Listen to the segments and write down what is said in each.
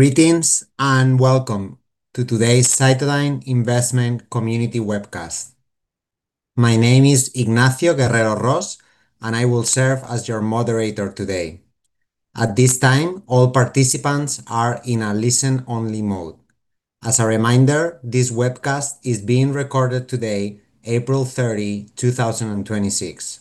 Greetings and welcome to today's CytoDyn Investment Community Webcast. My name is Ignacio Guerrero-Ros, and I will serve as your moderator today. At this time, all participants are in a listen-only mode. As a reminder, this webcast is being recorded today, April 30, 2026.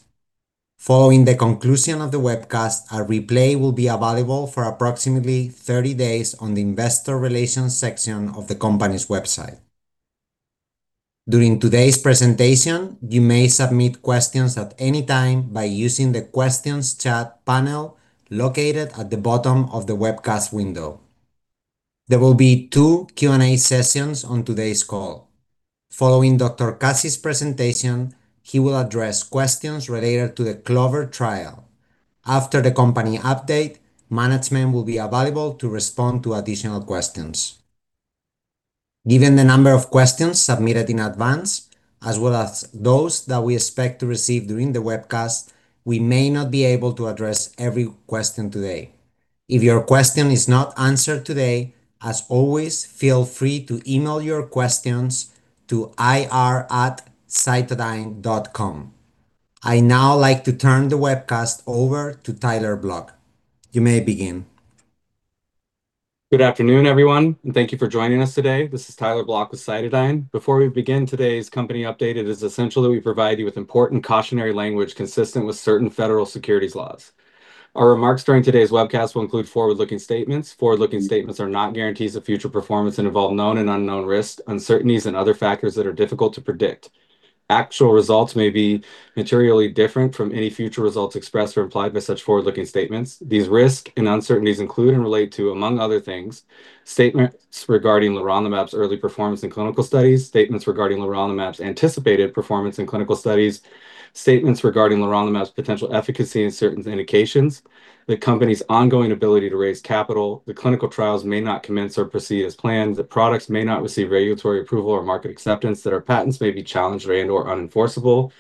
Following the conclusion of the webcast, a replay will be available for approximately 30 days on the Investor Relations section of the company's website. During today's presentation, you may submit questions at any time by using the questions chat panel located at the bottom of the webcast window. There will be two Q&A sessions on today's call. Following Kasi's presentation, he will address questions related to the CLOVER trial. After the company update, management will be available to respond to additional questions. Given the number of questions submitted in advance, as well as those that we expect to receive during the webcast, we may not be able to address every question today. If your question is not answered today, as always, feel free to email your questions to ir@cytodyn.com. I'd now like to turn the webcast over to Tyler Blok. You may begin. Good afternoon, everyone, and thank you for joining us today. This is Tyler Blok with CytoDyn. Before we begin today's company update, it is essential that we provide you with important cautionary language consistent with certain federal securities laws. Our remarks during today's webcast will include forward-looking statements. Forward-looking statements are not guarantees of future performance and involve known and unknown risks, uncertainties, and other factors that are difficult to predict. Actual results may be materially different from any future results expressed or implied by such forward-looking statements. These risks and uncertainties include and relate to, among other things, statements regarding leronlimab's early performance in clinical studies, statements regarding leronlimab's anticipated performance in clinical studies, statements regarding leronlimab's potential efficacy in certain indications, the company's ongoing ability to raise capital, the clinical trials may not commence or proceed as planned, the products may not receive regulatory approval or market acceptance, that our patents may be challenged and/or unenforceable,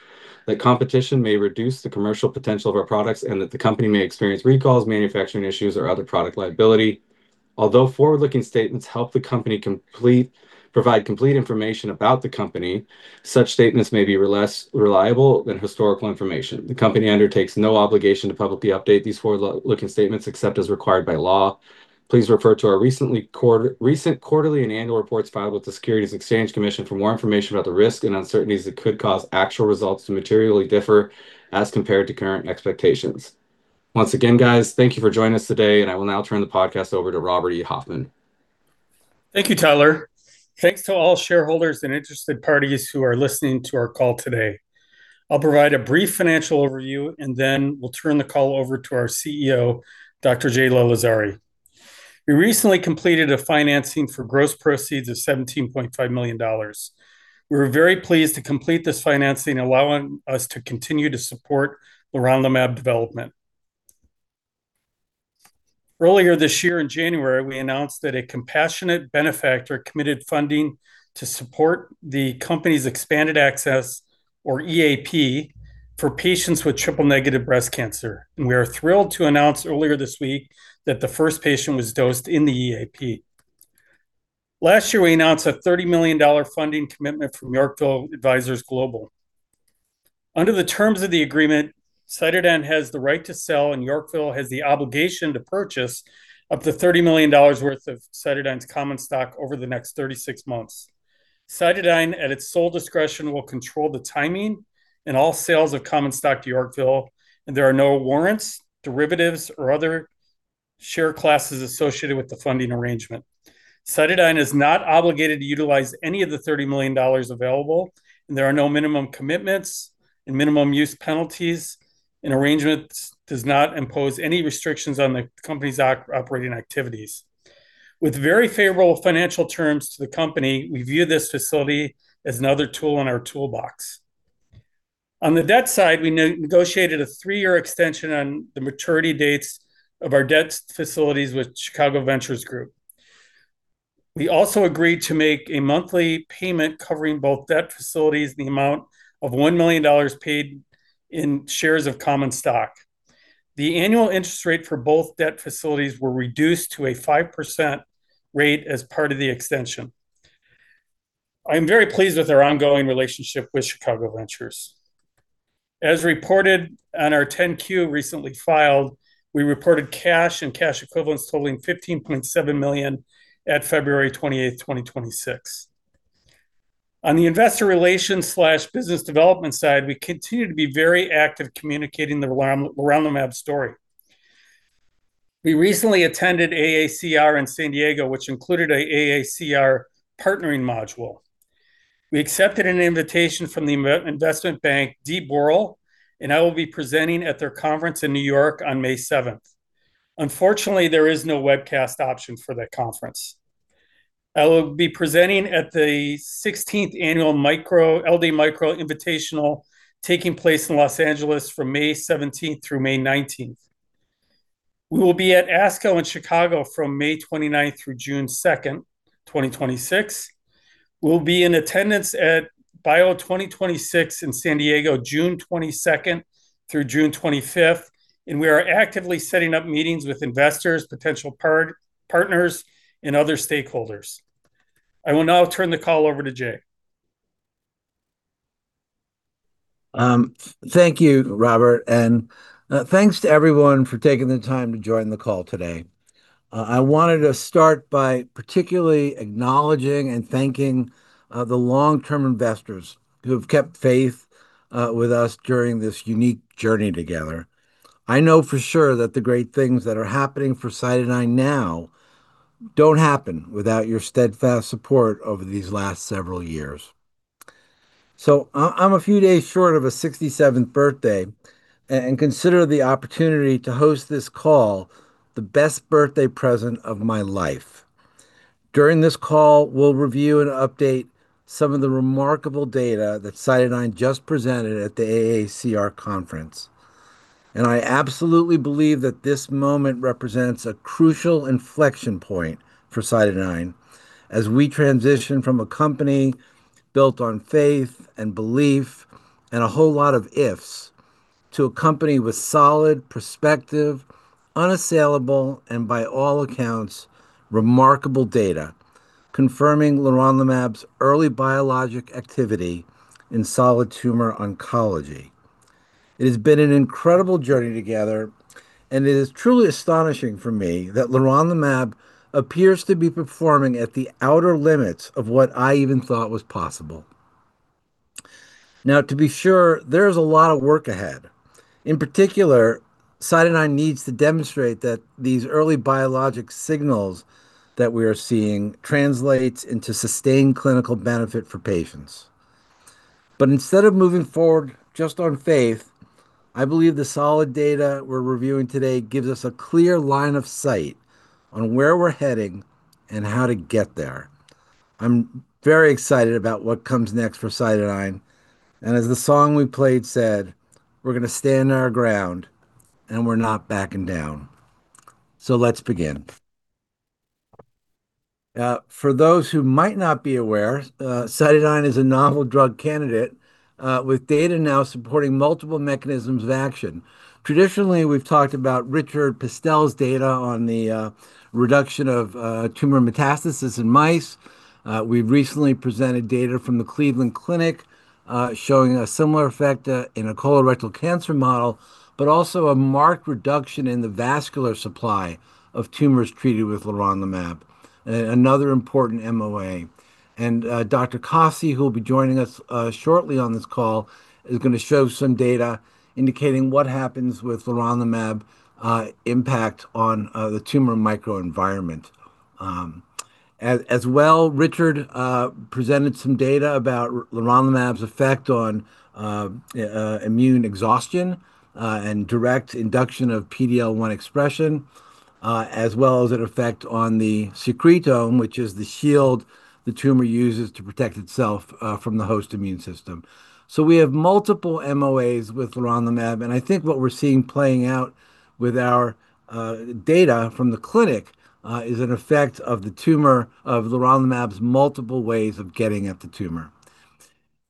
that competition may reduce the commercial potential of our products, and that the company may experience recalls, manufacturing issues, or other product liability. Although forward-looking statements help the company complete provide complete information about the company, such statements may be less reliable than historical information. The company undertakes no obligation to publicly update these forward-looking statements except as required by law. Please refer to our recent quarterly and annual reports filed with the Securities and Exchange Commission for more information about the risks and uncertainties that could cause actual results to materially differ as compared to current expectations. Once again, guys, thank you for joining us today. I will now turn the podcast over to Robert E. Hoffman. Thank you, Tyler. Thanks to all shareholders and interested parties who are listening to our call today. I'll provide a brief financial overview, then we'll turn the call over to our CEO, Dr. Jay Lalezari. We recently completed a financing for gross proceeds of $17.5 million. We were very pleased to complete this financing, allowing us to continue to support leronlimab development. Earlier this year in January, we announced that a compassionate benefactor committed funding to support the company's expanded access, or EAP, for patients with triple-negative breast cancer. We are thrilled to announce earlier this week that the first patient was dosed in the EAP. Last year, we announced a $30 million funding commitment from Yorkville Advisors Global. Under the terms of the agreement, CytoDyn has the right to sell and Yorkville has the obligation to purchase up to $30 million worth of CytoDyn's common stock over the next 36 months. CytoDyn, at its sole discretion, will control the timing and all sales of common stock to Yorkville, and there are no warrants, derivatives, or other share classes associated with the funding arrangement. CytoDyn is not obligated to utilize any of the $30 million available, and there are no minimum commitments and minimum use penalties, and arrangements does not impose any restrictions on the company's operating activities. With very favorable financial terms to the company, we view this facility as another tool in our toolbox. On the debt side, we negotiated a 3-year extension on the maturity dates of our debt facilities with Chicago Venture Partners. We also agreed to make a monthly payment covering both debt facilities in the amount of $1 million paid in shares of common stock. The annual interest rate for both debt facilities were reduced to a 5% rate as part of the extension. I am very pleased with our ongoing relationship with Chicago Ventures. As reported on our 10-Q recently filed, we reported cash and cash equivalents totaling $15.7 million at February 28, 2026. On the investor relations/business development side, we continue to be very active communicating the leronlimab story. We recently attended AACR in San Diego, which included an AACR partnering module. We accepted an invitation from the investment bank D. Boral. I will be presenting at their conference in New York on May 7. Unfortunately, there is no webcast option for that conference. I will be presenting at the 16th annual LD Micro Invitational taking place in L.A. from May 17th through May 19th. We will be at ASCO in Chicago from May 29th through June 2nd, 2026. We'll be in attendance at BIO 2026 in San Diego, June 22nd through June 25th, and we are actively setting up meetings with investors, potential partners, and other stakeholders. I will now turn the call over to Jay. Thank you, Robert, and thanks to everyone for taking the time to join the call today. I wanted to start by particularly acknowledging and thanking the long-term investors who have kept faith with us during this unique journey together. I know for sure that the great things that are happening for CytoDyn now don't happen without your steadfast support over these last several years. I'm a few days short of a 67th birthday and consider the opportunity to host this call the best birthday present of my life. During this call, we'll review and update some of the remarkable data that CytoDyn just presented at the AACR conference. I absolutely believe that this moment represents a crucial inflection point for CytoDyn as we transition from a company built on faith and belief and a whole lot of ifs to a company with solid perspective, unassailable, and by all accounts, remarkable data confirming leronlimab's early biologic activity in solid tumor oncology. It has been an incredible journey together, and it is truly astonishing for me that leronlimab appears to be performing at the outer limits of what I even thought was possible. Now, to be sure, there is a lot of work ahead. In particular, CytoDyn needs to demonstrate that these early biologic signals that we are seeing translates into sustained clinical benefit for patients. Instead of moving forward just on faith, I believe the solid data we're reviewing today gives us a clear line of sight on where we're heading and how to get there. I'm very excited about what comes next for CytoDyn, and as the song we played said, we're gonna stand our ground, and we're not backing down. Let's begin. For those who might not be aware, CytoDyn is a novel drug candidate, with data now supporting multiple mechanisms of action. Traditionally, we've talked about Richard Pestell's data on the reduction of tumor metastasis in mice. We've recently presented data from the Cleveland Clinic, showing a similar effect in a colorectal cancer model, but also a marked reduction in the vascular supply of tumors treated with leronlimab, another important MOA. Dr. Kasi, who will be joining us shortly on this call, is gonna show some data indicating what happens with leronlimab impact on the tumor microenvironment. As, as well, Richard presented some data about leronlimab's effect on immune exhaustion and direct induction of PD-L1 expression, as well as an effect on the secretome, which is the shield the tumor uses to protect itself from the host immune system. We have multiple MOAs with leronlimab, and I think what we're seeing playing out with our data from the clinic is an effect of the tumor of leronlimab's multiple ways of getting at the tumor.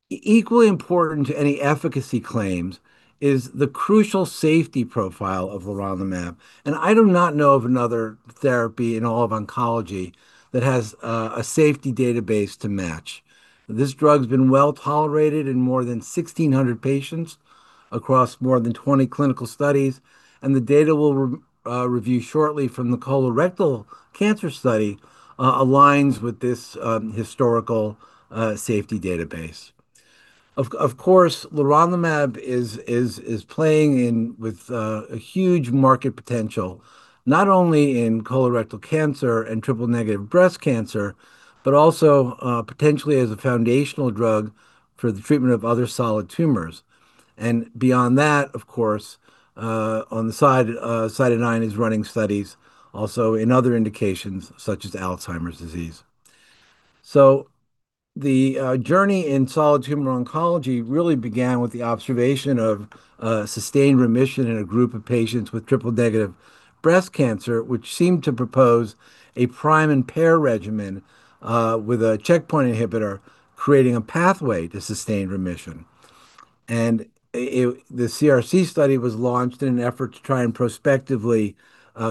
Equally important to any efficacy claims is the crucial safety profile of leronlimab, and I do not know of another therapy in all of oncology that has a safety database to match. This drug's been well-tolerated in more than 1,600 patients across more than 20 clinical studies. The data we'll review shortly from the colorectal cancer study aligns with this historical safety database. Of course, leronlimab is playing in with a huge market potential, not only in colorectal cancer and triple-negative breast cancer, but also potentially as a foundational drug for the treatment of other solid tumors. Beyond that, of course, on the side, CytoDyn is running studies also in other indications such as Alzheimer's disease. The journey in solid tumor oncology really began with the observation of sustained remission in a group of patients with triple-negative breast cancer, which seemed to propose a prime and pair regimen with a checkpoint inhibitor, creating a pathway to sustained remission. It, the CRC study was launched in an effort to try and prospectively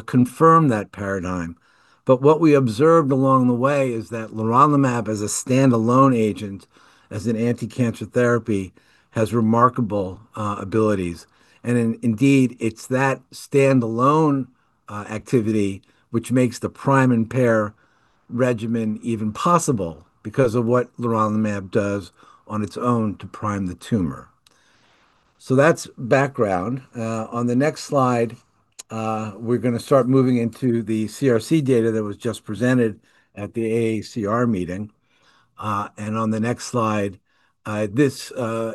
confirm that paradigm. What we observed along the way is that leronlimab as a standalone agent, as an anticancer therapy, has remarkable abilities. Indeed, it's that standalone activity which makes the prime and pair regimen even possible because of what leronlimab does on its own to prime the tumor. That's background. On the next slide, we're gonna start moving into the CRC data that was just presented at the AACR meeting. On the next slide, this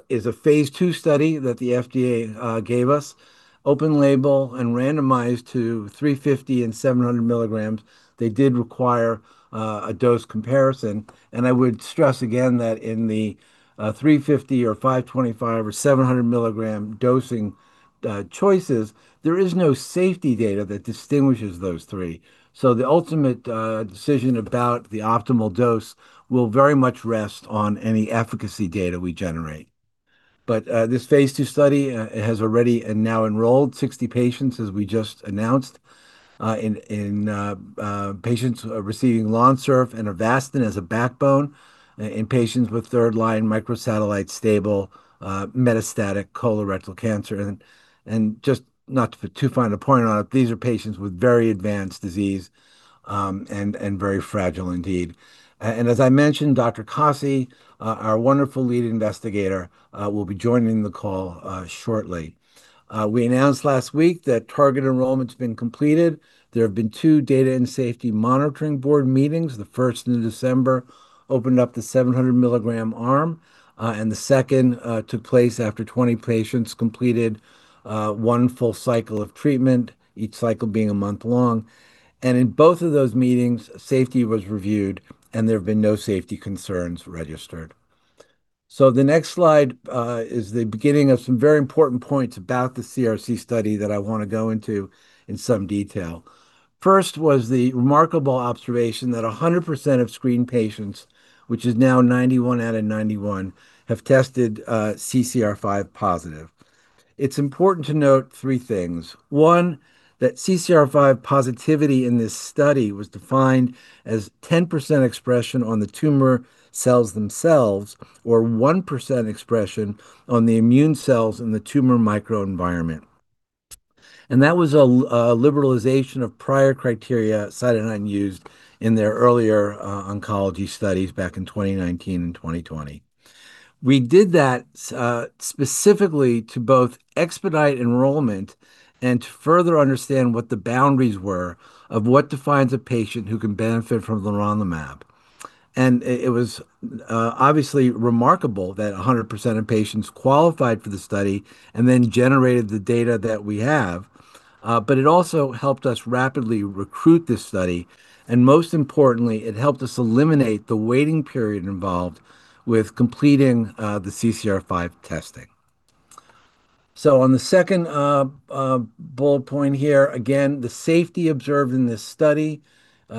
is a Phase II study that the FDA gave us, open label and randomized to 350 mg and 700 mg. They did require a dose comparison. I would stress again that in the 350 mg or 525 mg or 700 mg dosing choices, there is no safety data that distinguishes those three. The ultimate decision about the optimal dose will very much rest on any efficacy data we generate. This phase II study has already and now enrolled 60 patients, as we just announced, in patients receiving Lonsurf and Avastin as a backbone in patients with third-line microsatellite stable metastatic colorectal cancer. Just not to put too fine a point on it, these are patients with very advanced disease and very fragile indeed. As I mentioned, Dr. Kasi, our wonderful lead investigator, will be joining the call shortly. We announced last week that target enrollment's been completed. There have been two data and safety monitoring board meetings. The first in December opened up the 700 mg arm, and the second took place after 20 patients completed one full cycle of treatment, each cycle being a month long. In both of those meetings, safety was reviewed, and there have been no safety concerns registered. The next slide is the beginning of some very important points about the CRC study that I wanna go into in some detail. First was the remarkable observation that 100% of screened patients, which is now 91 out of 91, have tested CCR5 positive. It's important to note three things. One, that CCR5 positivity in this study was defined as 10% expression on the tumor cells themselves, or 1% expression on the immune cells in the tumor microenvironment. That was a liberalization of prior criteria CytoDyn used in their earlier oncology studies back in 2019 and 2020. We did that specifically to both expedite enrollment and to further understand what the boundaries were of what defines a patient who can benefit from leronlimab. It was obviously remarkable that 100% of patients qualified for the study and then generated the data that we have. It also helped us rapidly recruit this study, and most importantly, it helped us eliminate the waiting period involved with completing the CCR5 testing. On the second bullet point here, again, the safety observed in this study,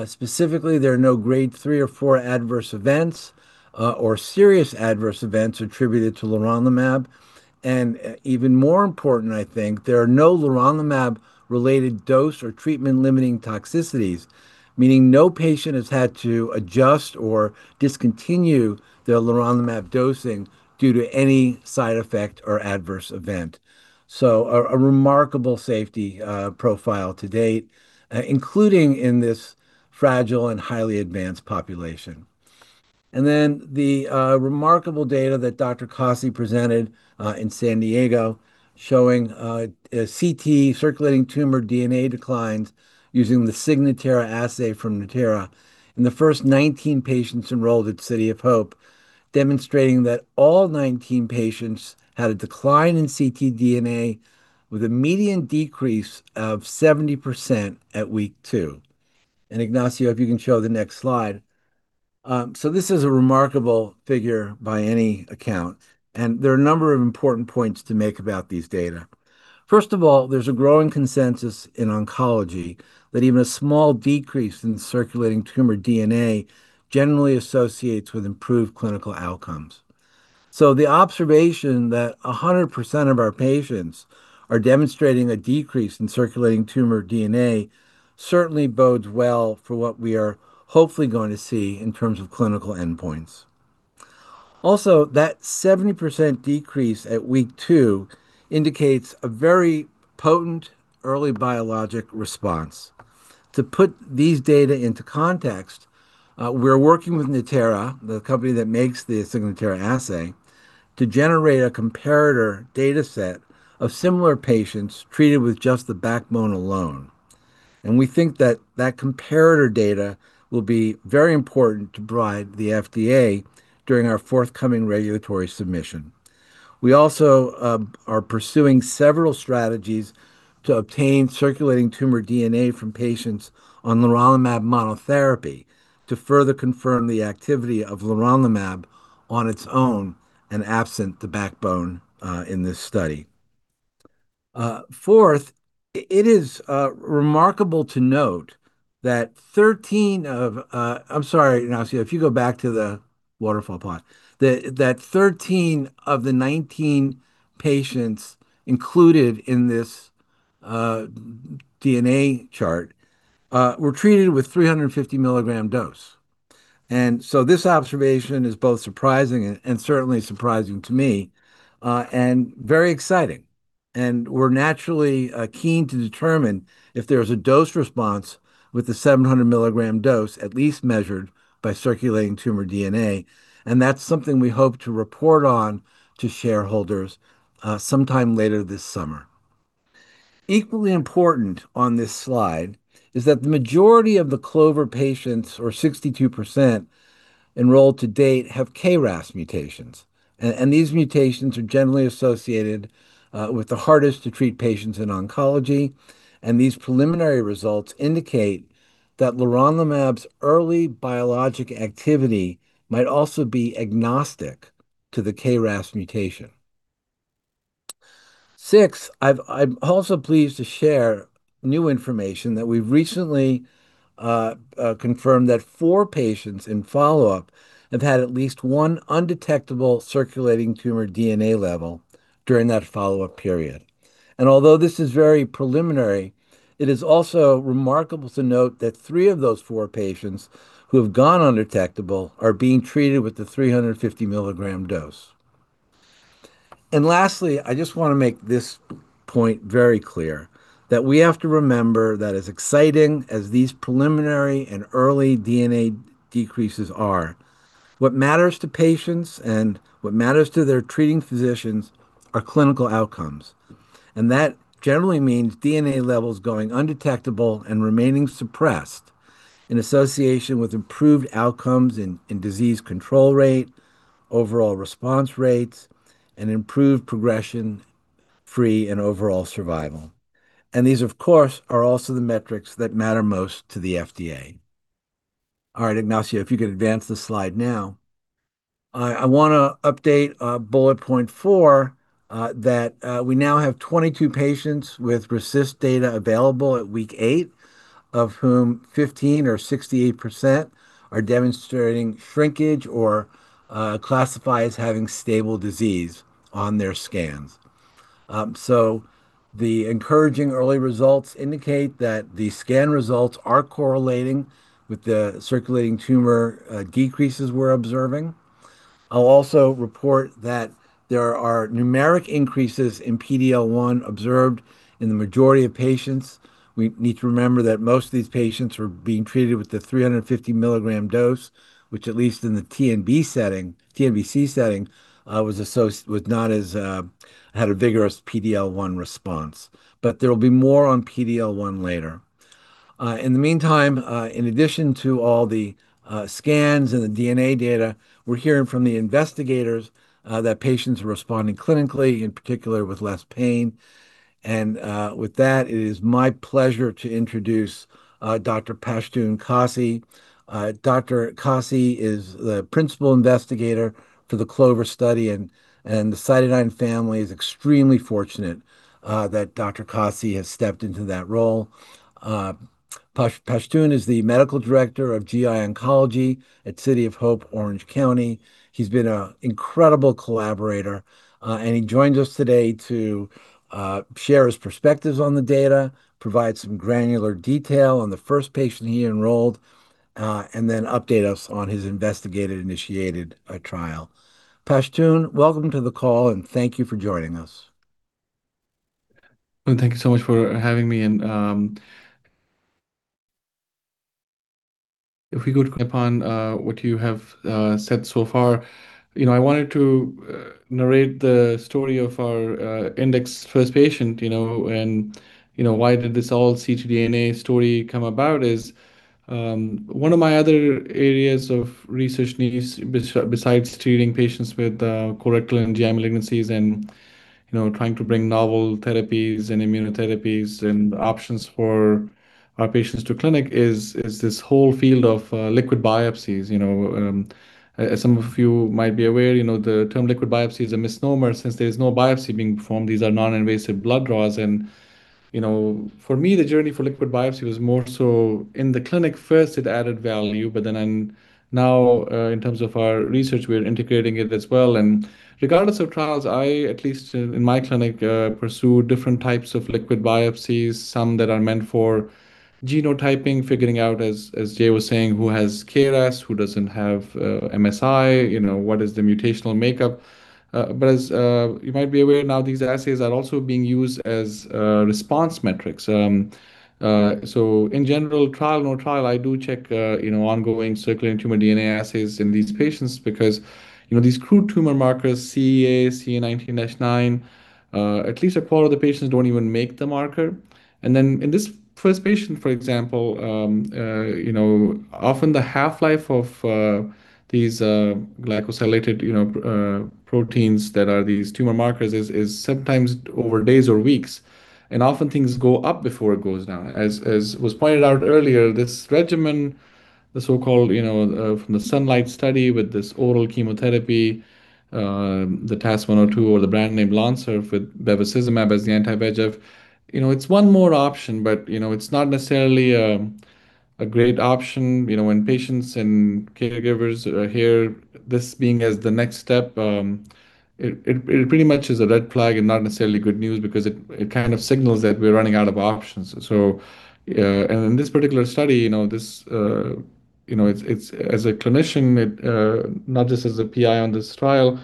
specifically, there are no grade three or four adverse events or serious adverse events attributed to leronlimab. Even more important, I think, there are no leronlimab-related dose or treatment-limiting toxicities, meaning no patient has had to adjust or discontinue their leronlimab dosing due to any side effect or adverse event. A remarkable safety profile to date, including in this fragile and highly advanced population. The remarkable data that Dr. Kasi presented in San Diego showing a ctDNA, circulating tumor DNA declines using the Signatera assay from Natera. The first 19 patients enrolled at City of Hope, demonstrating that all 19 patients had a decline in ctDNA with a median decrease of 70% at week 2. Ignacio Guerrero-Ros, if you can show the next slide. This is a remarkable figure by any account, and there are a number of important points to make about these data. First of all, there's a growing consensus in oncology that even a small decrease in circulating tumor DNA generally associates with improved clinical outcomes. The observation that 100% of our patients are demonstrating a decrease in circulating tumor DNA certainly bodes well for what we are hopefully going to see in terms of clinical endpoints. Also, that 70% decrease at week 2 indicates a very potent early biologic response. To put these data into context, we're working with Natera, the company that makes the Signatera assay, to generate a comparator data set of similar patients treated with just the backbone alone. We think that that comparator data will be very important to provide the FDA during our forthcoming regulatory submission. We also are pursuing several strategies to obtain circulating tumor DNA from patients on leronlimab monotherapy to further confirm the activity of leronlimab on its own and absent the backbone in this study. Fourth, it is remarkable to note that, I'm sorry, Ignacio, if you go back to the waterfall plot, that 13 of the 19 patients included in this DNA chart were treated with 350 mg dose. This observation is both surprising and certainly surprising to me and very exciting. We're naturally keen to determine if there's a dose response with the 700 mg dose, at least measured by circulating tumor DNA. That's something we hope to report on to shareholders sometime later this summer. Equally important on this slide is that the majority of the CLOVER patients, or 62%, enrolled to date have KRAS mutations. These mutations are generally associated with the hardest to treat patients in oncology. These preliminary results indicate that leronlimab's early biologic activity might also be agnostic to the KRAS mutation. I'm also pleased to share new information that we've recently confirmed that four patients in follow-up have had at least one undetectable circulating tumor DNA level during that follow-up period. Although this is very preliminary, it is also remarkable to note that three of those four patients who have gone undetectable are being treated with the 350 mg dose. Lastly, I just wanna make this point very clear, that we have to remember that as exciting as these preliminary and early DNA decreases are, what matters to patients and what matters to their treating physicians are clinical outcomes. That generally means DNA levels going undetectable and remaining suppressed in association with improved outcomes in disease control rate, overall response rates, and improved progression-free and overall survival. These, of course, are also the metrics that matter most to the FDA. All right, Ignacio, if you could advance the slide now. I wanna update bullet point four that we now have 22 patients with RECIST data available at week eight, of whom 15 or 68% are demonstrating shrinkage or classified as having stable disease on their scans. The encouraging early results indicate that the scan results are correlating with the circulating tumor decreases we're observing. I'll also report that there are numeric increases in PD-L1 observed in the majority of patients. We need to remember that most of these patients were being treated with the 350 mg dose, which at least in the TNBC setting was not as had a vigorous PD-L1 response. There will be more on PD-L1 later. In the meantime, in addition to all the scans and the DNA data, we're hearing from the investigators that patients are responding clinically, in particular with less pain. With that, it is my pleasure to introduce Dr. Pashtoon Kasi. Dr. Kasi is the principal investigator for the CLOVER study and the CytoDyn family is extremely fortunate that Dr. Kasi has stepped into that role. Pashtoon is the Medical Director of GI Oncology at City of Hope Orange County. He's been a incredible collaborator, and he joins us today to share his perspectives on the data, provide some granular detail on the first patient he enrolled, and then update us on his investigator-initiated trial. Pashtoon, welcome to the call, and thank you for joining us. Thank you so much for having me and if we could upon what you have said so far. You know, I wanted to narrate the story of our index first patient, you know, and you know, why did this all ctDNA story come about is one of my other areas of research needs besides treating patients with colorectal and GI malignancies and, you know, trying to bring novel therapies and immunotherapies and options for our patients to clinic is this whole field of liquid biopsies, you know. As some of you might be aware, you know, the term liquid biopsy is a misnomer since there's no biopsy being performed. These are non-invasive blood draws, you know, for me, the journey for liquid biopsy was more so in the clinic first it added value, but then, now, in terms of our research, we're integrating it as well. Regardless of trials, I, at least in my clinic, pursue different types of liquid biopsies, some that are meant for genotyping, figuring out as Jay was saying, who has KRAS, who doesn't have MSI, you know, what is the mutational makeup. As you might be aware now, these assays are also being used as response metrics. In general, trial or no trial, I do check, you know, ongoing circulating tumor DNA assays in these patients because, you know, these crude tumor markers, CEA, CA 19-9, at least a quarter of the patients don't even make the marker. In this first patient, for example, you know, often the half-life of these glycosylated, you know, proteins that are these tumor markers is sometimes over days or weeks, and often things go up before it goes down. As was pointed out earlier, this regimen, the so-called, you know, from the SUNLIGHT study with this oral chemotherapy, the TAS-102 or the brand name Lonsurf with bevacizumab as the anti-VEGF. You know, it's one more option, but, you know, it's not necessarily a great option. You know, when patients and caregivers hear this being as the next step, it pretty much is a red flag and not necessarily good news because it kind of signals that we're running out of options. In this particular study, you know, this, you know, it's as a clinician, not just as a PI on this trial,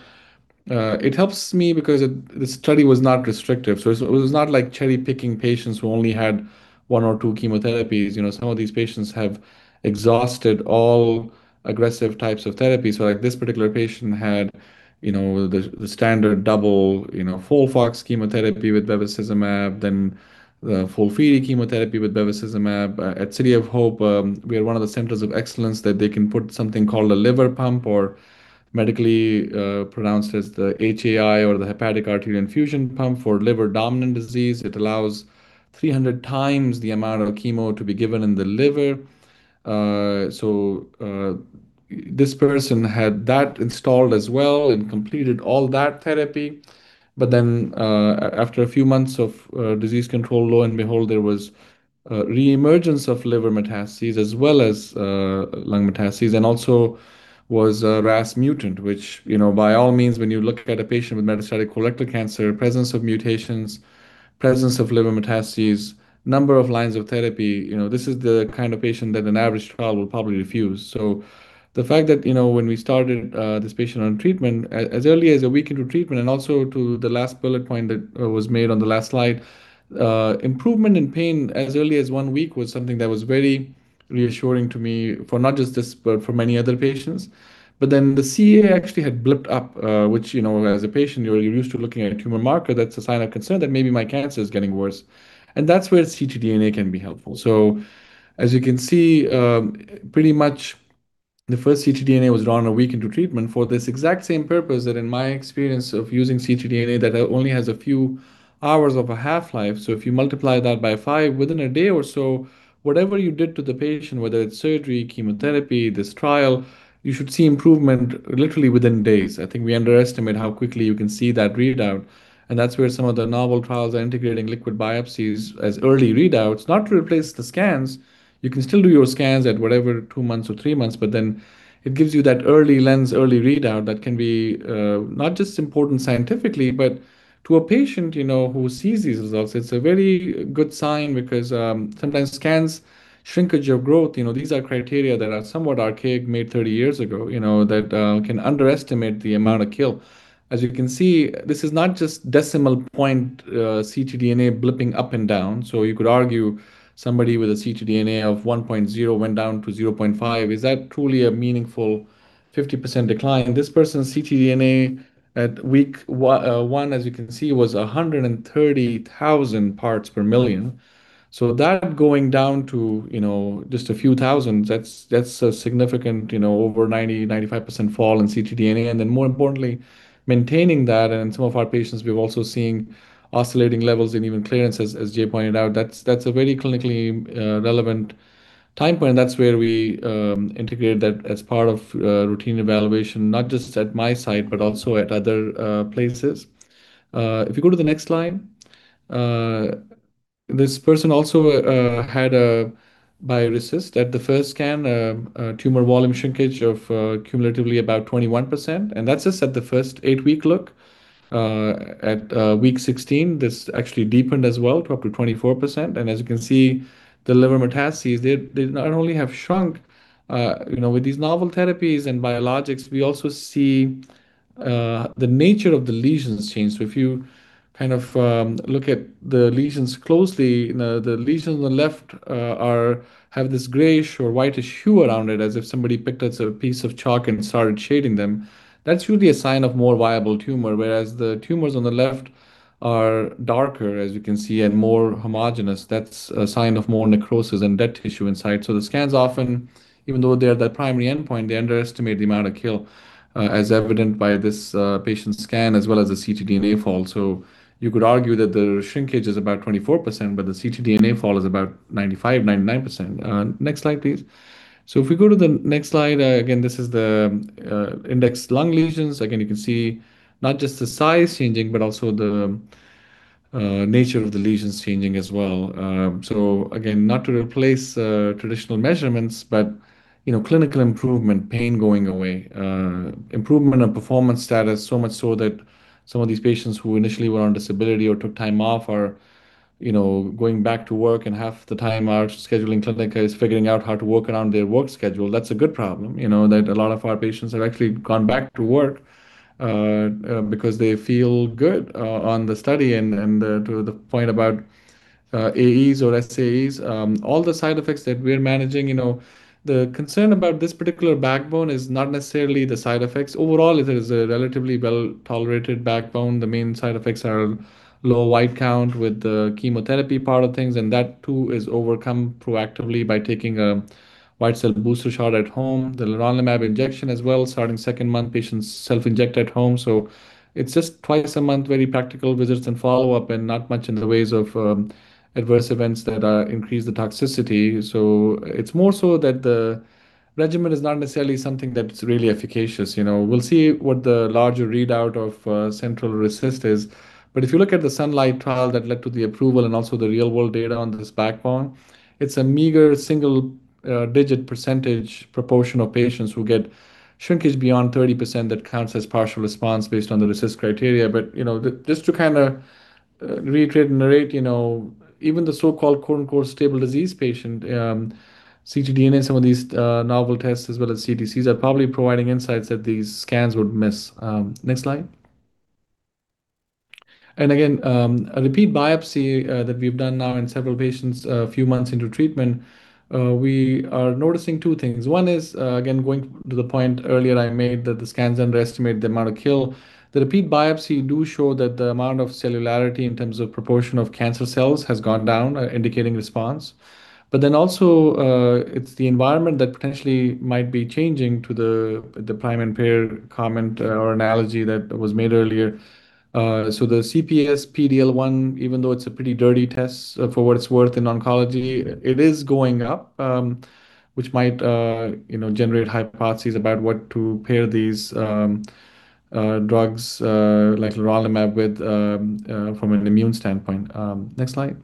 it helps me because the study was not restrictive. It was not like cherry-picking patients who only had one or two chemotherapies. You know, some of these patients have exhausted all aggressive types of therapy. Like this particular patient had, you know, the standard double, you know, FOLFOX chemotherapy with bevacizumab, then the FOLFIRI chemotherapy with bevacizumab. At City of Hope, we are one of the centers of excellence that they can put something called a liver pump or medically pronounced as the HAI or the hepatic arterial infusion pump for liver-dominant disease. It allows 300 times the amount of chemo to be given in the liver. This person had that installed as well and completed all that therapy. After a few months of disease control, lo and behold, there was a reemergence of liver metastases as well as lung metastases, and also was a RAS mutant, which, you know, by all means, when you look at a patient with metastatic colorectal cancer, presence of mutations, presence of liver metastases, number of lines of therapy, you know, this is the kind of patient that an average trial will probably refuse. The fact that, you know, when we started this patient on treatment as early as 1 week into treatment and also to the last bullet point that was made on the last slide, improvement in pain as early as 1 week was something that was very reassuring to me for not just this, but for many other patients. The CA actually had blipped up, which, you know, as a patient, you're used to looking at a tumor marker that's a sign of concern that maybe my cancer is getting worse, and that's where ctDNA can be helpful. As you can see, pretty much the first ctDNA was drawn a week into treatment for this exact same purpose that in my experience of using ctDNA that only has a few hours of a half-life. If you multiply that by five, within a day or so, whatever you did to the patient, whether it's surgery, chemotherapy, this trial, you should see improvement literally within days. I think we underestimate how quickly you can see that readout. That's where some of the novel trials are integrating liquid biopsies as early readouts, not to replace the scans. You can still do your scans at whatever, two months or three months, but it gives you that early lens, early readout that can be not just important scientifically, but to a patient, you know, who sees these results, it's a very good sign because sometimes scans shrinkage of growth, you know, these are criteria that are somewhat archaic, made 30 years ago, you know, that can underestimate the amount of kill. As you can see, this is not just decimal point, ctDNA blipping up and down. You could argue somebody with a ctDNA of 1.0 went down to 0.5. Is that truly a meaningful 50% decline? This person's ctDNA at week one, as you can see, was 130,000 parts per million. That going down to, you know, just a few thousand, that's a significant, you know, over 90%-95% fall in ctDNA, and then more importantly, maintaining that. In some of our patients, we're also seeing oscillating levels and even clearances, as Jay pointed out. That's a very clinically relevant time point. That's where we integrate that as part of routine evaluation, not just at my site, but also at other places. If you go to the next slide. This person also had a by RECIST at the first scan, a tumor volume shrinkage of cumulatively about 21%, and that's just at the first eight-week look. At week 16, this actually deepened as well to up to 24%. As you can see, the liver metastases, they not only have shrunk, you know, with these novel therapies and biologics, we also see the nature of the lesions change. If you kind of look at the lesions closely, the lesions on the left have this grayish or whitish hue around it as if somebody picked up a piece of chalk and started shading them. That's usually a sign of more viable tumor, whereas the tumors on the left are darker, as you can see, and more homogenous. That's a sign of more necrosis and dead tissue inside. The scans often, even though they're the primary endpoint, they underestimate the amount of kill, as evident by this patient's scan as well as the ctDNA fall. You could argue that the shrinkage is about 24%, but the ctDNA fall is about 95%, 99%. Next slide, please. If we go to the next slide, again, this is the indexed lung lesions. Again, you can see not just the size changing, but also the nature of the lesions changing as well. Again, not to replace traditional measurements, but you know, clinical improvement, pain going away, improvement of performance status, so much so that some of these patients who initially were on disability or took time off are, you know, going back to work and half the time our scheduling clinic is figuring out how to work around their work schedule. That's a good problem, you know, that a lot of our patients have actually gone back to work because they feel good on the study and to the point about AEs or SAEs, all the side effects that we're managing. You know, the concern about this particular backbone is not necessarily the side effects. Overall, it is a relatively well-tolerated backbone. The main side effects are low white count with the chemotherapy part of things, that too is overcome proactively by taking a white cell booster shot at home, the leronlimab injection as well. Starting second month, patients self-inject at home. It's just twice a month, very practical visits and follow-up, not much in the ways of adverse events that increase the toxicity. It's more so that the regimen is not necessarily something that's really efficacious. You know, we'll see what the larger readout of central RECIST is. If you look at the SUNLIGHT trial that led to the approval and also the real-world data on this backbone, it's a meager single-digit percentage proportion of patients who get shrinkage beyond 30% that counts as partial response based on the RECIST criteria. This to reiterate and narrate, even the so-called quote-unquote "stable disease" patient, ctDNA, some of these novel tests as well as CTCs are probably providing insights that these scans would miss. Next slide. Again, a repeat biopsy that we've done now in several patients a few months into treatment, we are noticing two things. One is, again, going to the point earlier I made that the scans underestimate the amount of kill. The repeat biopsy do show that the amount of cellularity in terms of proportion of cancer cells has gone down, indicating response. Also, it's the environment that potentially might be changing to the prime and pair comment or analogy that was made earlier. The CPS PD-L1, even though it's a pretty dirty test for what it's worth in oncology, it is going up, which might, you know, generate hypotheses about what to pair these drugs like leronlimab with from an immune standpoint. Next slide.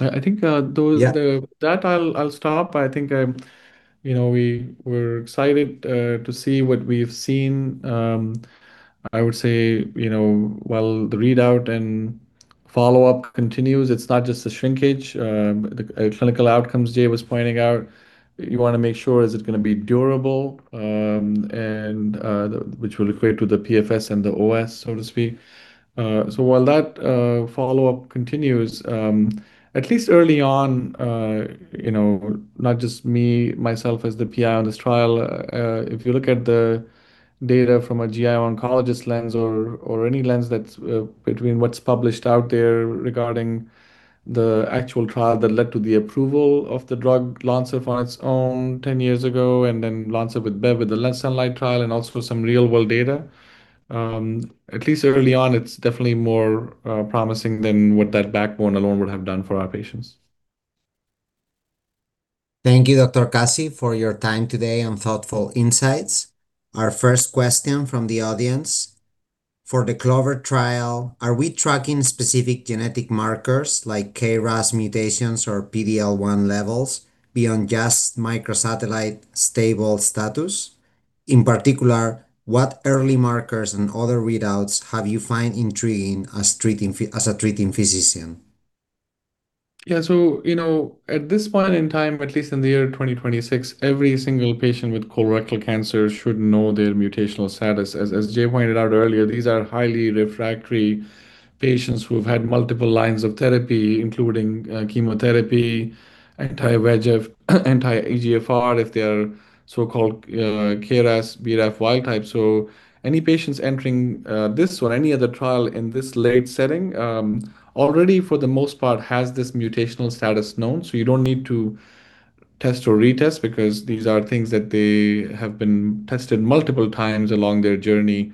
I think those- Yeah That I'll stop. I think, you know, we were excited to see what we've seen. I would say, you know, while the readout and follow-up continues, it's not just the shrinkage, the clinical outcomes Jay was pointing out. You wanna make sure, is it gonna be durable, and which will equate to the PFS and the OS, so to speak. While that follow-up continues, at least early on, you know, not just me, myself as the PI on this trial, if you look at the data from a GI oncologist lens or any lens that's between what's published out there regarding the actual trial that led to the approval of the drug Lonsurf on its own 10 years ago, and then Lonsurf with bev, with the SUNLIGHT trial and also some real world data, at least early on, it's definitely more promising than what that backbone alone would have done for our patients. Thank you, Dr. Kasi, for your time today and thoughtful insights. Our first question from the audience, "For the CLOVER trial, are we tracking specific genetic markers like KRAS mutations or PD-L1 levels beyond just microsatellite stable status? In particular, what early markers and other readouts have you find intriguing as a treating physician? Yeah. You know, at this point in time, at least in the year 2026, every single patient with colorectal cancer should know their mutational status. As Jay pointed out earlier, these are highly refractory patients who've had multiple lines of therapy, including chemotherapy, anti-VEGF, anti-EGFR, if they are so-called KRAS/BRAF wild type. Any patients entering this or any other trial in this late setting, already for the most part has this mutational status known, so you don't need to test or retest because these are things that they have been tested multiple times along their journey.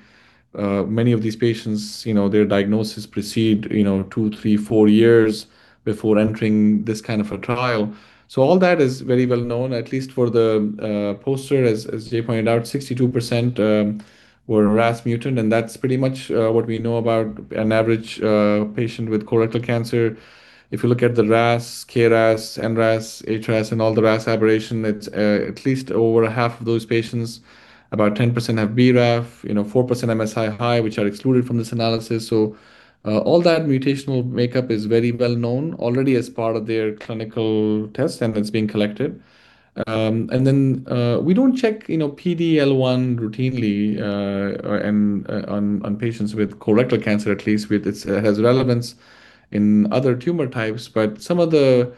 Many of these patients, you know, their diagnosis proceed, you know, two, three, four years before entering this kind of a trial. All that is very well known, at least for the poster as Jay pointed out, 62% were RAS mutant, and that's pretty much what we know about an average patient with colorectal cancer. If you look at the RAS, KRAS, NRAS, HRAS, and all the RAS aberration, it's at least over half of those patients, about 10% have BRAF, you know, 4% MSI-H, which are excluded from this analysis. All that mutational makeup is very well known already as part of their clinical test, and it's being collected. We don't check, you know, PD-L1 routinely, or on patients with colorectal cancer, at least with its has relevance in other tumor types. Some of the,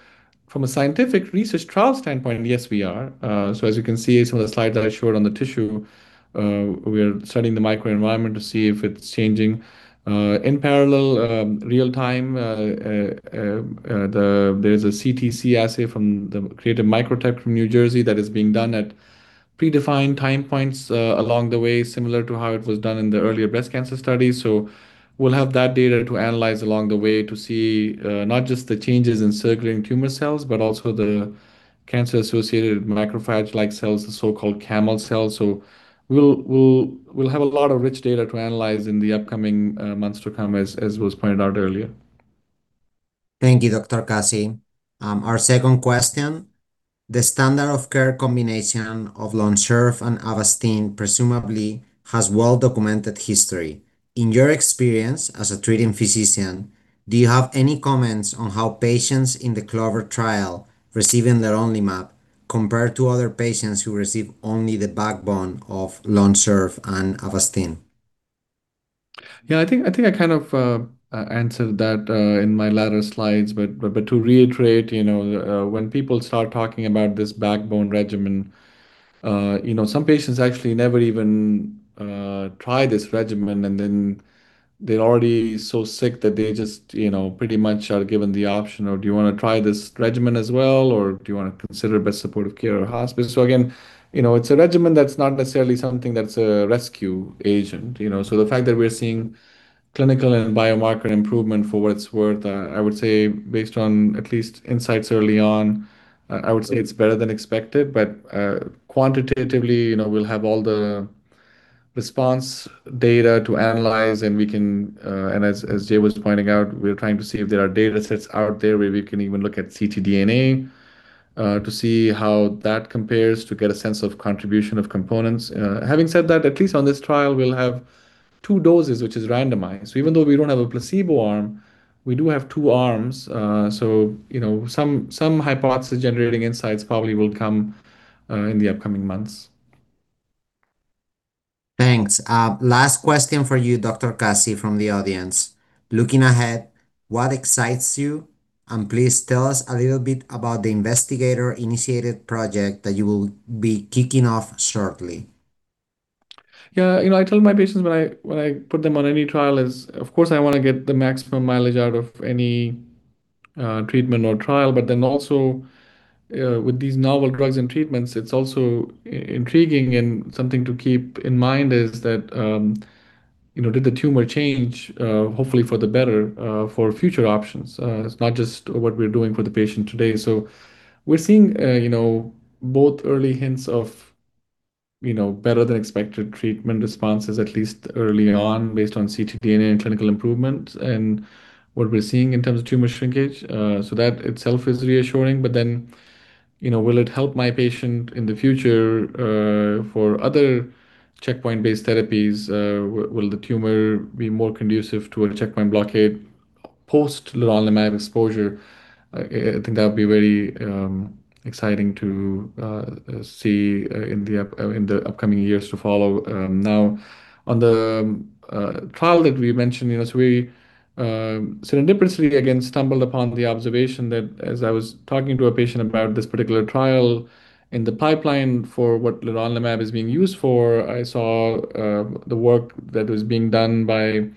from a scientific research trial standpoint, yes, we are. As you can see some of the slides that I showed on the tissue, we are studying the microenvironment to see if it's changing. In parallel, real time, there's a CTC assay from the Creatv MicroTech from New Jersey that is being done at predefined time points along the way, similar to how it was done in the earlier breast cancer study. We'll have that data to analyze along the way to see not just the changes in circulating tumor cells, but also the cancer-associated macrophage-like cells, the so-called CAML cells. We'll have a lot of rich data to analyze in the upcoming months to come, as was pointed out earlier. Thank you, Dr. Kasi. Our second question, "The standard of care combination of Lonsurf and Avastin presumably has well-documented history. In your experience as a treating physician, do you have any comments on how patients in the CLOVER trial receiving leronlimab compare to other patients who receive only the backbone of Lonsurf and Avastin? Yeah, I think I kind of answered that in my latter slides. To reiterate, you know, when people start talking about this backbone regimen, you know, some patients actually never even try this regimen, and then they're already so sick that they just, you know, pretty much are given the option of, "Do you wanna try this regimen as well, or do you wanna consider best supportive care or hospice?" Again, you know, it's a regimen that's not necessarily something that's a rescue agent, you know. The fact that we're seeing clinical and biomarker improvement for what it's worth, I would say based on at least insights early on, I would say it's better than expected. Quantitatively, you know, we'll have all the response data to analyze, and we can. As Jay was pointing out, we are trying to see if there are datasets out there where we can even look at ctDNA to see how that compares to get a sense of contribution of components. Having said that, at least on this trial, we'll have two doses, which is randomized. Even though we don't have a placebo arm, we do have two arms. You know, some hypothesis-generating insights probably will come in the upcoming months. Thanks. Last question for you, Dr. Kasi, from the audience. "Looking ahead, what excites you? Please tell us a little bit about the investigator-initiated project that you will be kicking off shortly. You know, I tell my patients when I put them on any trial is, of course, I wanna get the maximum mileage out of any treatment or trial. Also, with these novel drugs and treatments, it's also intriguing and something to keep in mind is that, you know, did the tumor change, hopefully for the better, for future options? It's not just what we're doing for the patient today. We're seeing, you know, both early hints of, you know, better than expected treatment responses, at least early on based on ctDNA and clinical improvement and what we're seeing in terms of tumor shrinkage. That itself is reassuring. You know, will it help my patient in the future for other checkpoint-based therapies? Will the tumor be more conducive to a checkpoint blockade post-leronlimab exposure? I think that would be very exciting to see in the upcoming years to follow. Now on the trial that we mentioned, you know, so we serendipitously again stumbled upon the observation that as I was talking to a patient about this particular trial in the pipeline for what leronlimab is being used for, I saw the work that was being done by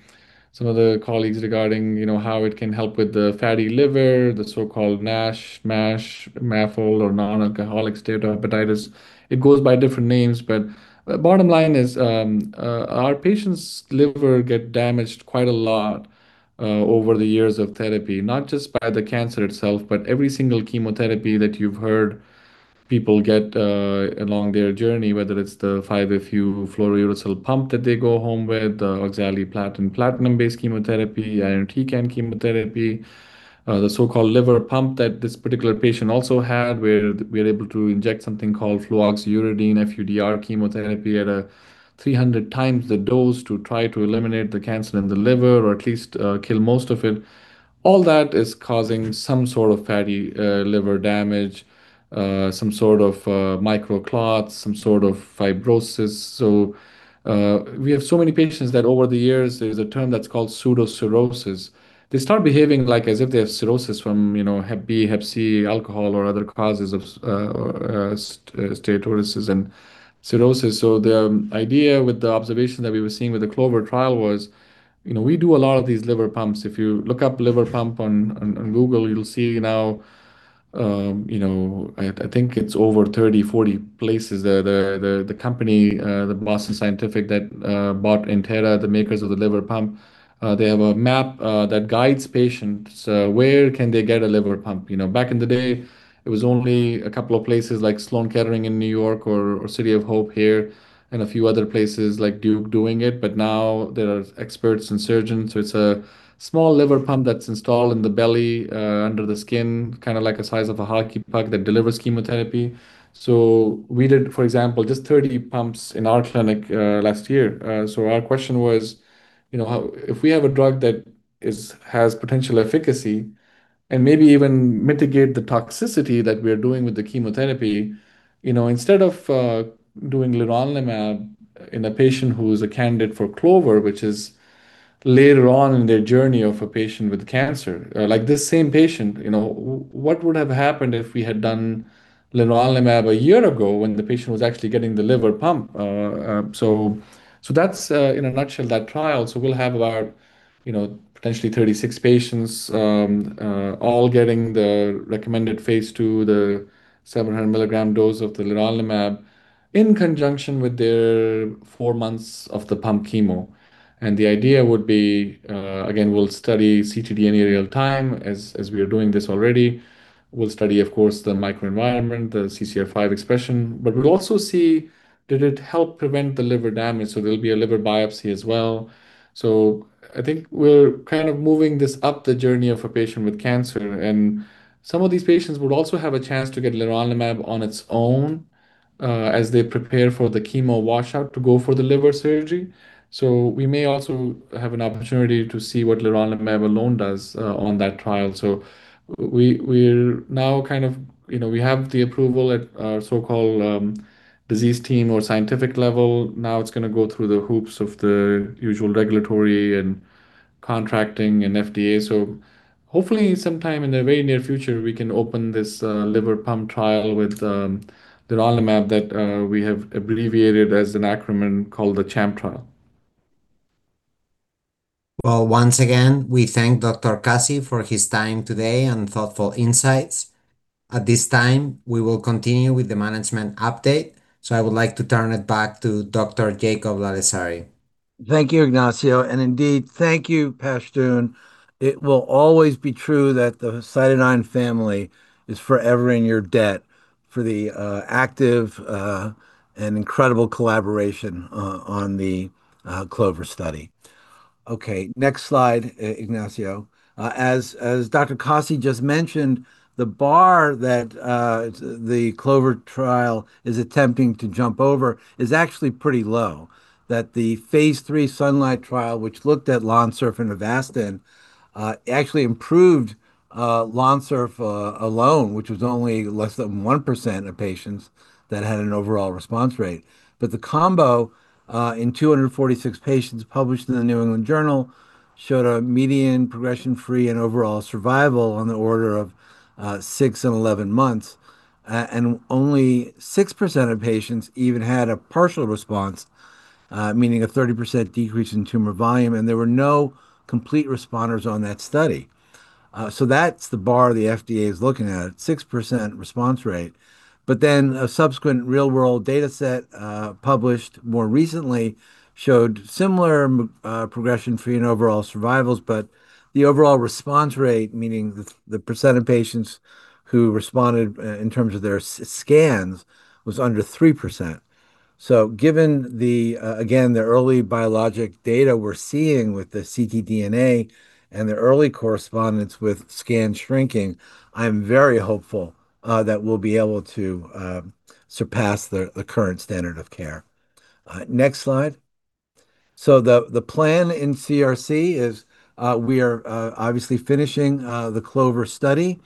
some of the colleagues regarding, you know, how it can help with the fatty liver, the so-called NASH, MASH, MAFLD, or non-alcoholic steatohepatitis. It goes by different names, the bottom line is, our patients' liver get damaged quite a lot over the years of therapy. Not just by the cancer itself, but every single chemotherapy that you've heard people get along their journey, whether it's the 5-FU fluorouracil pump that they go home with, the oxaliplatin platinum-based chemotherapy, irinotecan chemotherapy, the so-called liver pump that this particular patient also had, where we're able to inject something called floxuridine, FUDR chemotherapy at a 300 times the dose to try to eliminate the cancer in the liver or at least kill most of it. All that is causing some sort of fatty liver damage, some sort of microclots, some sort of fibrosis. We have so many patients that over the years, there's a term that's called pseudocirrhosis. They start behaving like as if they have cirrhosis from, you know, hep B, hep C, alcohol, or other causes of steatosis and cirrhosis. The idea with the observation that we were seeing with the CLOVER trial was, you know, we do a lot of these liver pumps. If you look up liver pump on Google, you'll see now, you know, I think it's over 30, 40 places. The company, Boston Scientific that bought Intera Oncology, the makers of the liver pump, they have a map that guides patients where can they get a liver pump. You know, back in the day, it was only a couple of places like Sloan Kettering in New York or City of Hope here and a few other places like Duke doing it. Now there are experts and surgeons. It's a small liver pump that's installed in the belly, under the skin, kind of like a size of a hockey puck that delivers chemotherapy. We did, for example, just 30 pumps in our clinic last year. Our question was, you know, if we have a drug that has potential efficacy and maybe even mitigate the toxicity that we're doing with the chemotherapy, you know, instead of doing leronlimab in a patient who is a candidate for CLOVER, which is later on in their journey of a patient with cancer. Like this same patient, you know, what would have happened if we had done leronlimab a year ago when the patient was actually getting the liver pump? That's in a nutshell that trial. We'll have our, you know, potentially 36 patients, all getting the recommended phase II, the 700 mg dose of the leronlimab in conjunction with their four months of the pump chemo. The idea would be, again, we'll study ctDNA real time as we are doing this already. We'll study, of course, the microenvironment, the CCR5 expression. We'll also see did it help prevent the liver damage, so there'll be a liver biopsy as well. I think we're kind of moving this up the journey of a patient with cancer. Some of these patients would also have a chance to get leronlimab on its own as they prepare for the chemo washout to go for the liver surgery. We may also have an opportunity to see what leronlimab alone does on that trial. We're now kind of, you know, we have the approval at our so-called disease team or scientific level. It's gonna go through the hoops of the usual regulatory and contracting and FDA. Hopefully sometime in the very near future, we can open this liver pump trial with liraglutide that we have abbreviated as an acronym called the CHAMP trial. Well, once again, we thank Dr. Kasi for his time today and thoughtful insights. At this time, we will continue with the management update. I would like to turn it back to Dr. Jacob Lalezari. Thank you, Ignacio, and indeed, thank you, Pashtoon. It will always be true that the CytoDyn family is forever in your debt for the active and incredible collaboration on the CLOVER study. Next slide, Ignacio. As Dr. Kasi just mentioned, the bar that the CLOVER trial is attempting to jump over is actually pretty low, that the phase III SUNLIGHT trial, which looked at Lonsurf and Avastin, actually improved Lonsurf alone, which was only less than 1% of patients that had an overall response rate. The combo in 246 patients published in The New England Journal of Medicine showed a median progression-free and overall survival on the order of six and 11 months. Only 6% of patients even had a partial response, meaning a 30% decrease in tumor volume, and there were no complete responders on that study. That's the bar the FDA is looking at, 6% response rate. A subsequent real-world data set, published more recently showed similar progression-free and overall survivals, but the overall response rate, meaning the % of patients who responded, in terms of their scans, was under 3%. Given the again, the early biologic data we're seeing with the ctDNA and the early correspondence with scan shrinking, I'm very hopeful that we'll be able to surpass the current standard of care. Next slide. The plan in CRC is we are obviously finishing the CLOVER study.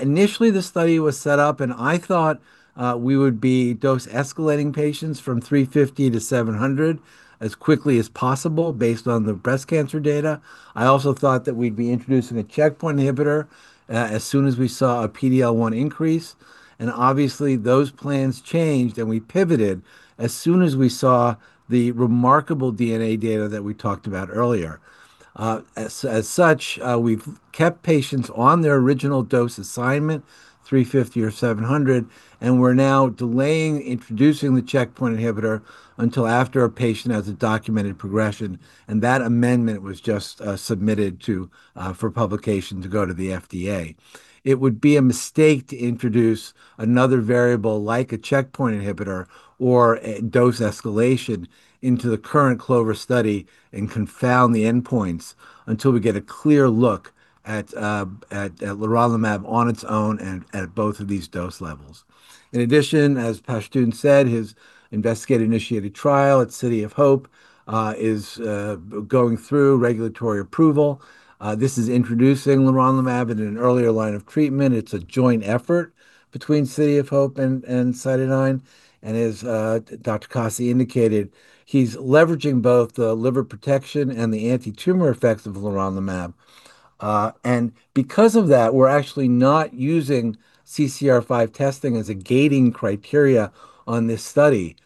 Initially the study was set up and I thought we would be dose escalating patients from 350 mg to 700 mg as quickly as possible based on the breast cancer data. I also thought that we'd be introducing a checkpoint inhibitor as soon as we saw a PD-L1 increase. Obviously those plans changed, and we pivoted as soon as we saw the remarkable DNA data that we talked about earlier. As such, we've kept patients on their original dose assignment, 350 mg or 700 mg, and we're now delaying introducing the checkpoint inhibitor until after a patient has a documented progression. That amendment was just submitted for publication to go to the FDA. It would be a mistake to introduce another variable like a checkpoint inhibitor or a dose escalation into the current CLOVER study and confound the endpoints until we get a clear look at leronlimab on its own and at both of these dose levels. As Pashtoon said, his investigator-initiated trial at City of Hope is going through regulatory approval. This is introducing leronlimab in an earlier line of treatment. It's a joint effort between City of Hope and CytoDyn. As Dr. Kasi indicated, he's leveraging both the liver protection and the anti-tumor effects of leronlimab. Because of that, we're actually not using CCR5 testing as a gating criteria on this study,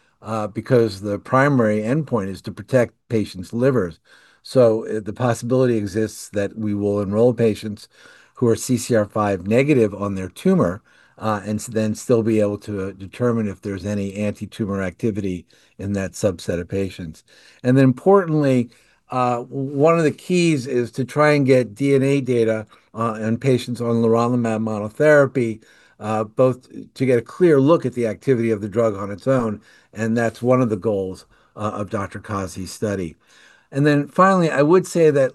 because the primary endpoint is to protect patients' livers. The possibility exists that we will enroll patients who are CCR5 negative on their tumor, and then still be able to determine if there's any anti-tumor activity in that subset of patients. Importantly, one of the keys is to try and get DNA data on patients on leronlimab monotherapy, both to get a clear look at the activity of the drug on its own, and that's one of the goals of Dr. Kasi's study. Finally, I would say that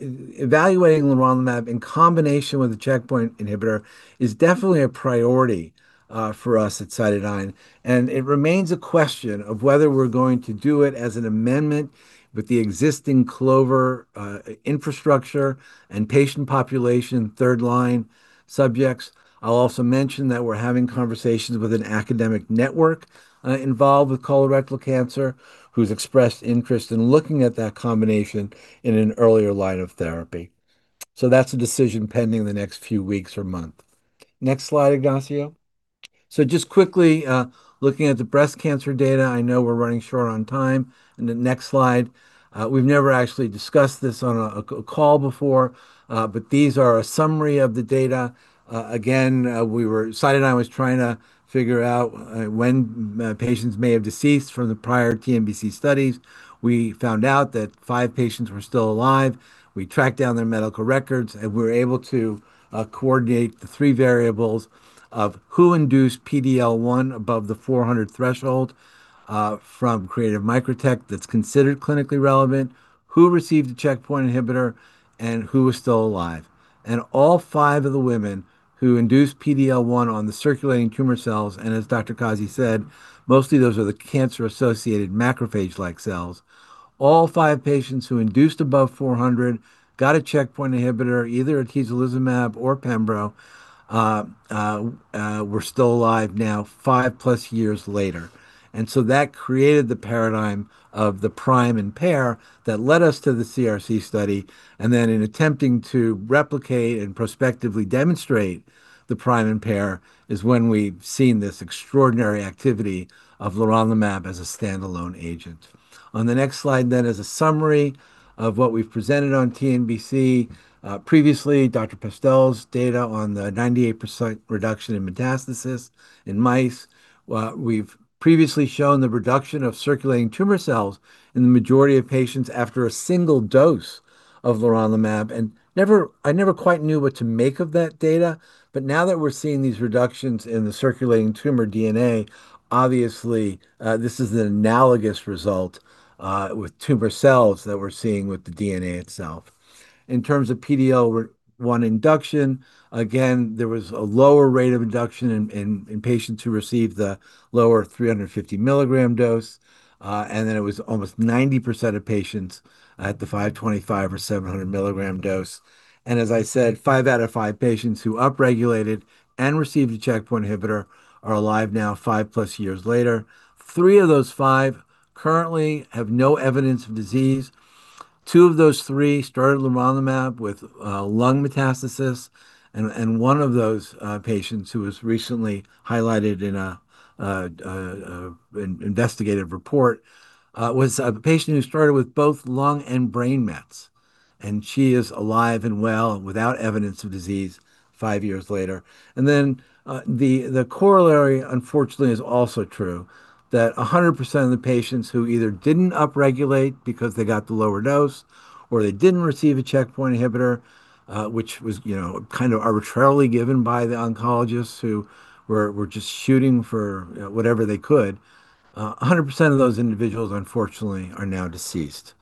evaluating leronlimab in combination with a checkpoint inhibitor is definitely a priority for us at CytoDyn. It remains a question of whether we're going to do it as an amendment with the existing CLOVER infrastructure and patient population third line subjects. I'll also mention that we're having conversations with an academic network involved with colorectal cancer, who's expressed interest in looking at that combination in an earlier line of therapy. That's a decision pending in the next few weeks or month. Next slide, Ignacio. Quickly, looking at the breast cancer data, I know we're running short on time. The next slide, we've never actually discussed this on a call before, but these are a summary of the data. Again, CytoDyn was trying to figure out when patients may have deceased from the prior TNBC studies. We found out that five patients were still alive. We tracked down their medical records, we were able to coordinate the three variables of who induced PD-L1 above the 400 threshold from Creatv MicroTech that's considered clinically relevant, who received a checkpoint inhibitor, and who was still alive. All five of the women who induced PD-L1 on the circulating tumor cells, and as Dr. Kasi said, mostly those are the cancer-associated macrophage-like cells. All five patients who induced above 400 mg got a checkpoint inhibitor, either atezolizumab or pembro, were still alive now five plus years later. That created the paradigm of the prime and pair that led us to the CRC study. In attempting to replicate and prospectively demonstrate the prime and pair is when we've seen this extraordinary activity of leronlimab as a standalone agent. On the next slide, then, is a summary of what we've presented on TNBC. Previously, Dr. Pestell's data on the 98% reduction in metastasis in mice. We've previously shown the reduction of circulating tumor cells in the majority of patients after a single dose of leronlimab. Never, I never quite knew what to make of that data. Now that we're seeing these reductions in the circulating tumor DNA, obviously, this is an analogous result, with tumor cells that we're seeing with the DNA itself. In terms of PD-L1 induction, again, there was a lower rate of induction in patients who received the lower 350 mg dose. Then it was almost 90% of patients at the 525 mg or 700 mg dose. As I said, five out of five patients who upregulated and received a checkpoint inhibitor are alive now five plus years later. Three of those five currently have no evidence of disease. Two of those three started leronlimab with lung metastasis. One of those patients who was recently highlighted in an investigative report was a patient who started with both lung and brain mets, and she is alive and well without evidence of disease five years later. The corollary, unfortunately, is also true, that 100% of the patients who either didn't upregulate because they got the lower dose or they didn't receive a checkpoint inhibitor, which was, you know, kind of arbitrarily given by the oncologists who were just shooting for whatever they could, 100% of those individuals, unfortunately, are now deceased.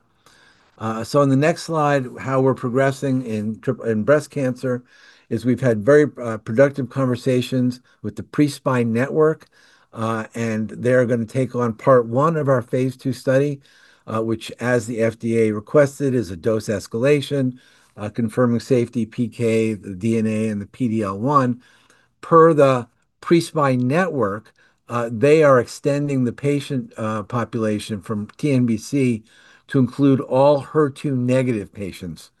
On the next slide, how we're progressing in breast cancer is we've had very productive conversations with the I-SPY network, and they're gonna take on part one of our phase II study, which as the FDA requested, is a dose escalation, confirming safety PK, the DNA and the PD-L1. Per the I-SPY network, they are extending the patient population from TNBC to include all HER2-negative patients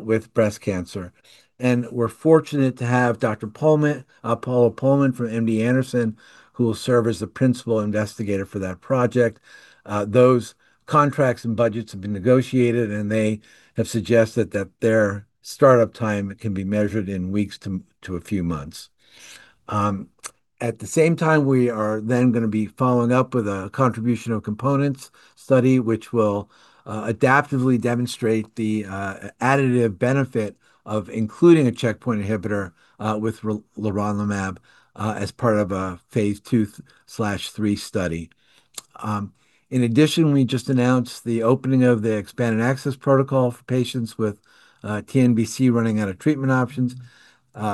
with breast cancer. We're fortunate to have Dr. Pohlmann, Paula Pohlmann from MD Anderson, who will serve as the principal investigator for that project. Those contracts and budgets have been negotiated, and they have suggested that their startup time can be measured in weeks to a few months. At the same time, we are then gonna be following up with a contribution of components study, which will adaptively demonstrate the additive benefit of including a checkpoint inhibitor with leronlimab as part of a phase II/III study. In addition, we just announced the opening of the expanded access protocol for patients with TNBC running out of treatment options.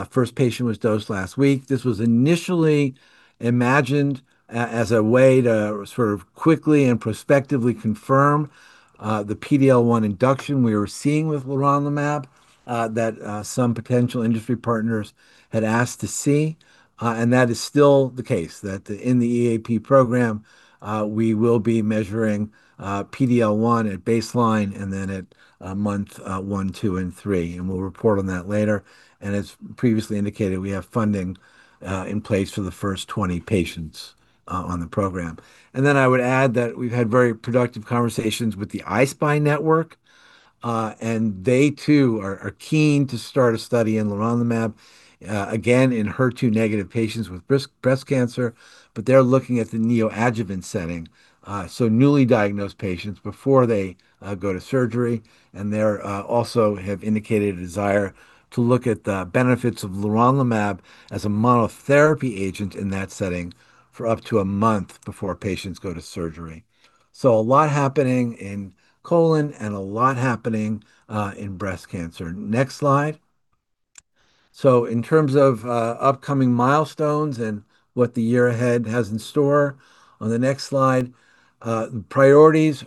First patient was dosed last week. This was initially imagined as a way to sort of quickly and prospectively confirm the PD-L1 induction we were seeing with leronlimab that some potential industry partners had asked to see. That is still the case, that the, in the EAP program, we will be measuring PD-L1 at baseline and then at month one, two and three, and we'll report on that later. As previously indicated, we have funding in place for the first 20 patients on the program. I would add that we've had very productive conversations with the I-SPY network, and they too are keen to start a study in leronlimab again in HER2-negative patients with breast cancer, but they're looking at the neoadjuvant setting, so newly diagnosed patients before they go to surgery. They're also have indicated a desire to look at the benefits of leronlimab as a monotherapy agent in that setting for up to a month before patients go to surgery. A lot happening in colon and a lot happening in breast cancer. Next slide. In terms of upcoming milestones and what the year ahead has in store, on the next slide, priorities,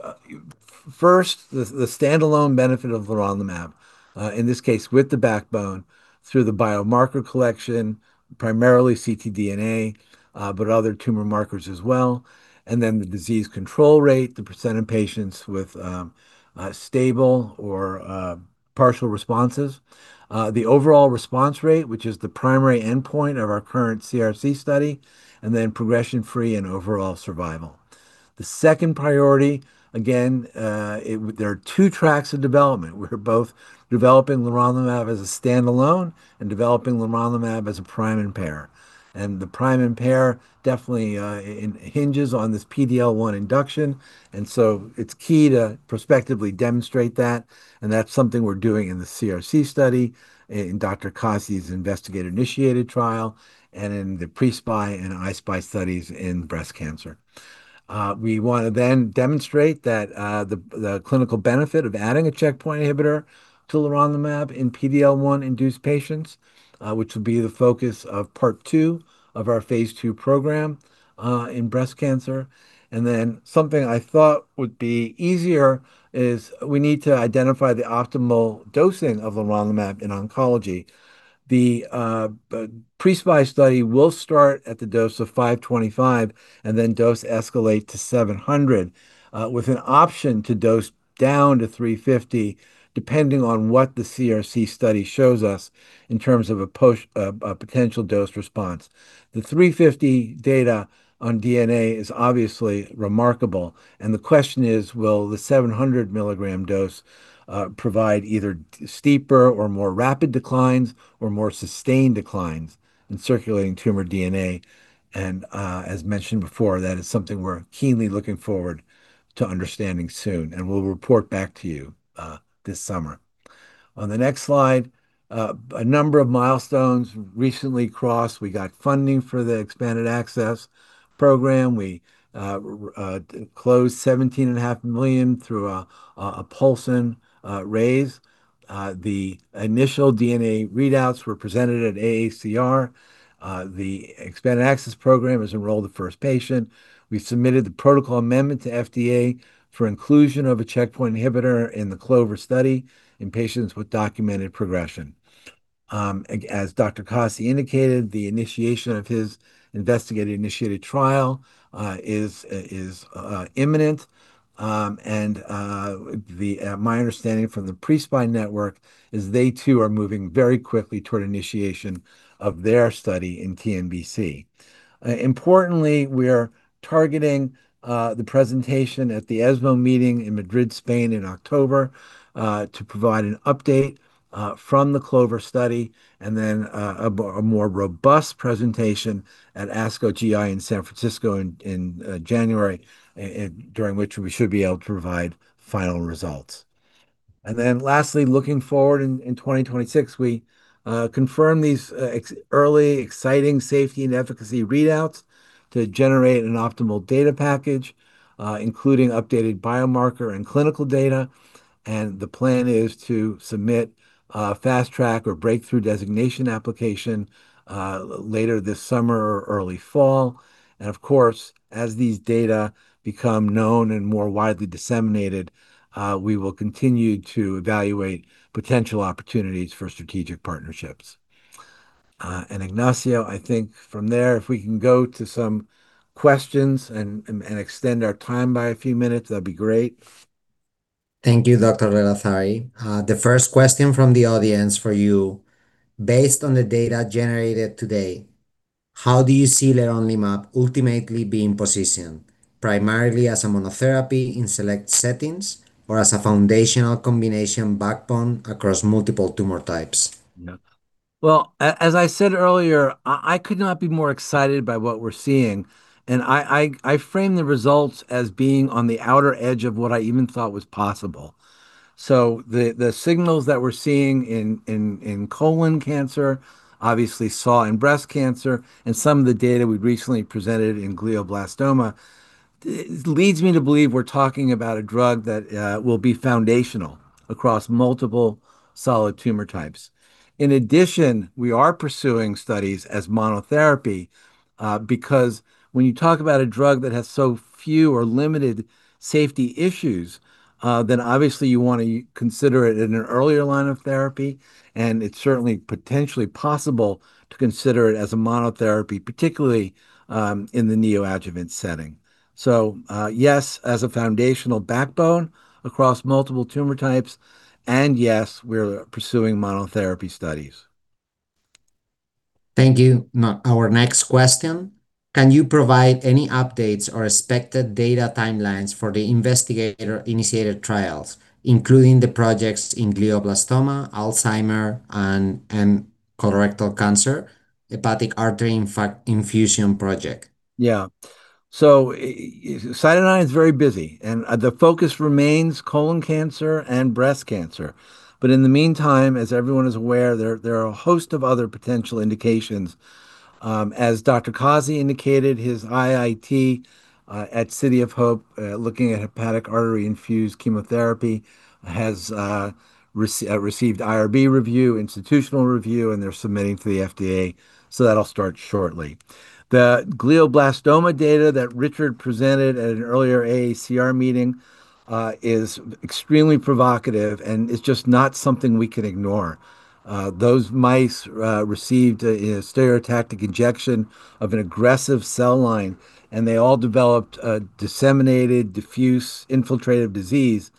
first, the standalone benefit of leronlimab in this case with the backbone through the biomarker collection, primarily ctDNA, but other tumor markers as well. The disease control rate, the percentage of patients with stable or partial responses. The overall response rate, which is the primary endpoint of our current CRC study, and then progression-free and overall survival. The second priority, again, there are two tracks of development. We're both developing leronlimab as a standalone and developing leronlimab as a prime and pair. The prime and pair definitely hinges on this PD-L1 induction, it's key to prospectively demonstrate that, and that's something we're doing in the CRC study, in Dr. Kasi's investigator-initiated trial, and in the PRE-SPY and I-SPY studies in breast cancer. We wanna demonstrate that the clinical benefit of adding a checkpoint inhibitor to leronlimab in PD-L1-induced patients, which will be the focus of part two of our phase II program in breast cancer. Something I thought would be easier is we need to identify the optimal dosing of leronlimab in oncology. The PRE-SPY study will start at the dose of 525 mg and then dose escalate to 700 mg, with an option to dose down to 350 mg, depending on what the CRC study shows us in terms of a potential dose response. The 350 mg data on DNA is obviously remarkable, the question is, will the 700 mg dose provide either steeper or more rapid declines or more sustained declines in circulating tumor DNA? As mentioned before, that is something we're keenly looking forward to understanding soon, and we'll report back to you this summer. On the next slide, a number of milestones recently crossed. We got funding for the Expanded Access Program. We closed $17.5 million through a Paulson raise. The initial DNA readouts were presented at AACR. The expanded access program has enrolled the first patient. We submitted the protocol amendment to FDA for inclusion of a checkpoint inhibitor in the CLOVER study in patients with documented progression. As Dr. Kasi indicated, the initiation of his investigator-initiated trial is imminent. My understanding from the I-SPY network is they too are moving very quickly toward initiation of their study in TNBC. Importantly, we are targeting the presentation at the ESMO meeting in Madrid, Spain in October to provide an update from the CLOVER study, then a more robust presentation at ASCO GI in San Francisco in January, during which we should be able to provide final results. Lastly, looking forward in 2026, we confirm these early exciting safety and efficacy readouts to generate an optimal data package, including updated biomarker and clinical data. The plan is to submit a Fast Track or Breakthrough Designation application later this summer or early fall. Of course, as these data become known and more widely disseminated, we will continue to evaluate potential opportunities for strategic partnerships. Ignacio, I think from there, if we can go to some questions and extend our time by a few minutes, that'd be great. Thank you, Dr. Lalezari. The first question from the audience for you, based on the data generated today, how do you see leronlimab ultimately being positioned, primarily as a monotherapy in select settings or as a foundational combination backbone across multiple tumor types? Well, as I said earlier, I could not be more excited by what we're seeing. I frame the results as being on the outer edge of what I even thought was possible. The signals that we're seeing in colon cancer, obviously saw in breast cancer, and some of the data we recently presented in glioblastoma, it leads me to believe we're talking about a drug that will be foundational across multiple solid tumor types. In addition, we are pursuing studies as monotherapy, because when you talk about a drug that has so few or limited safety issues, then obviously you want to consider it in an earlier line of therapy, and it's certainly potentially possible to consider it as a monotherapy, particularly in the neoadjuvant setting. Yes, as a foundational backbone across multiple tumor types, and yes, we're pursuing monotherapy studies. Thank you. Our next question, can you provide any updates or expected data timelines for the investigator-initiated trials, including the projects in glioblastoma, Alzheimer, and colorectal cancer, hepatic artery infusion project? CytoDyn is very busy, and the focus remains colon cancer and breast cancer. In the meantime, as everyone is aware, there are a host of other potential indications. As Dr. Kasi indicated, his IIT at City of Hope, looking at hepatic artery infused chemotherapy, has received IRB review, institutional review, and they're submitting to the FDA. That'll start shortly. The glioblastoma data that Richard presented at an earlier AACR meeting is extremely provocative, and it's just not something we can ignore. Those mice received a stereotactic injection of an aggressive cell line, and they all developed a disseminated, diffuse, infiltrative disease,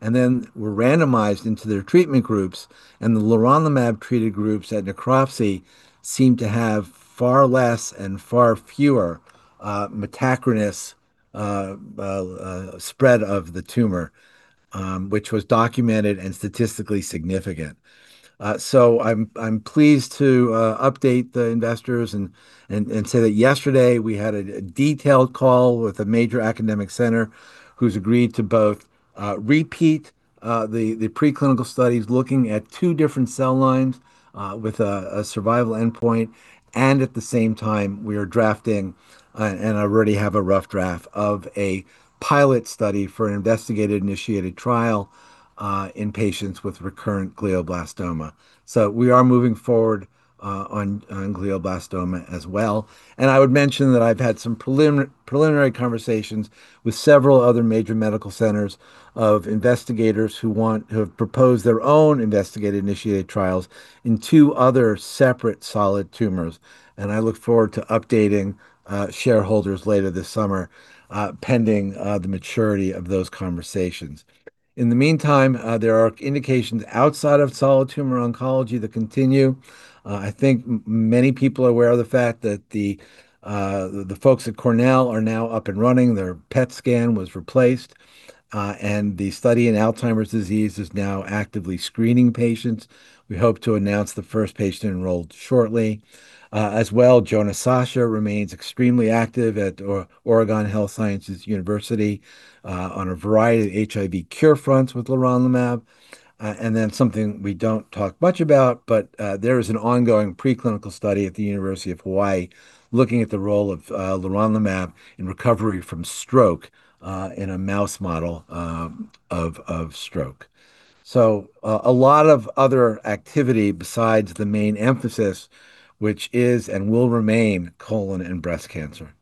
and then were randomized into their treatment groups. The leronlimab-treated groups at necropsy seemed to have far less and far fewer metachronous spread of the tumor, which was documented and statistically significant. I'm pleased to update the investors and say that yesterday we had a detailed call with a major academic center who's agreed to both repeat the preclinical studies looking at two different cell lines with a survival endpoint. At the same time, we are drafting, and I already have a rough draft of a pilot study for an investigator-initiated trial in patients with recurrent glioblastoma. We are moving forward on glioblastoma as well. I would mention that I've had some preliminary conversations with several other major medical centers of investigators who have proposed their own investigator-initiated trials in 2 other separate solid tumors. I look forward to updating shareholders later this summer, pending the maturity of those conversations. In the meantime, there are indications outside of solid tumor oncology that continue. I think many people are aware of the fact that the folks at Cornell are now up and running. Their PET scan was replaced, and the study in Alzheimer's disease is now actively screening patients. We hope to announce the first patient enrolled shortly. As well, Jonah Sacha remains extremely active at Oregon Health & Science University on a variety of HIV cure fronts with leronlimab. Something we don't talk much about, there is an ongoing preclinical study at the University of Hawaii looking at the role of leronlimab in recovery from stroke in a mouse model of stroke. A lot of other activity besides the main emphasis, which is and will remain colon and breast cancer.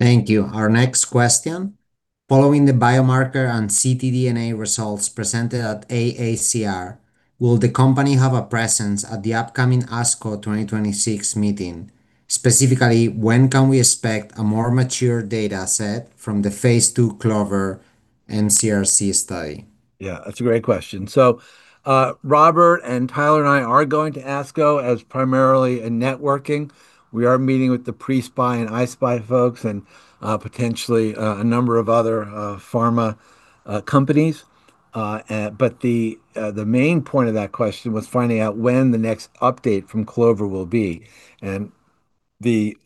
Thank you. Our next question, following the biomarker and ctDNA results presented at AACR, will the company have a presence at the upcoming ASCO 2026 meeting? When can we expect a more mature data set from the phase II CLOVER-NCRC study? Yeah, that's a great question. Robert and Tyler and I are going to ASCO as primarily a networking. We are meeting with the PRE-SPY and I-SPY folks and potentially a number of other pharma companies. The main point of that question was finding out when the next update from CLOVER will be. The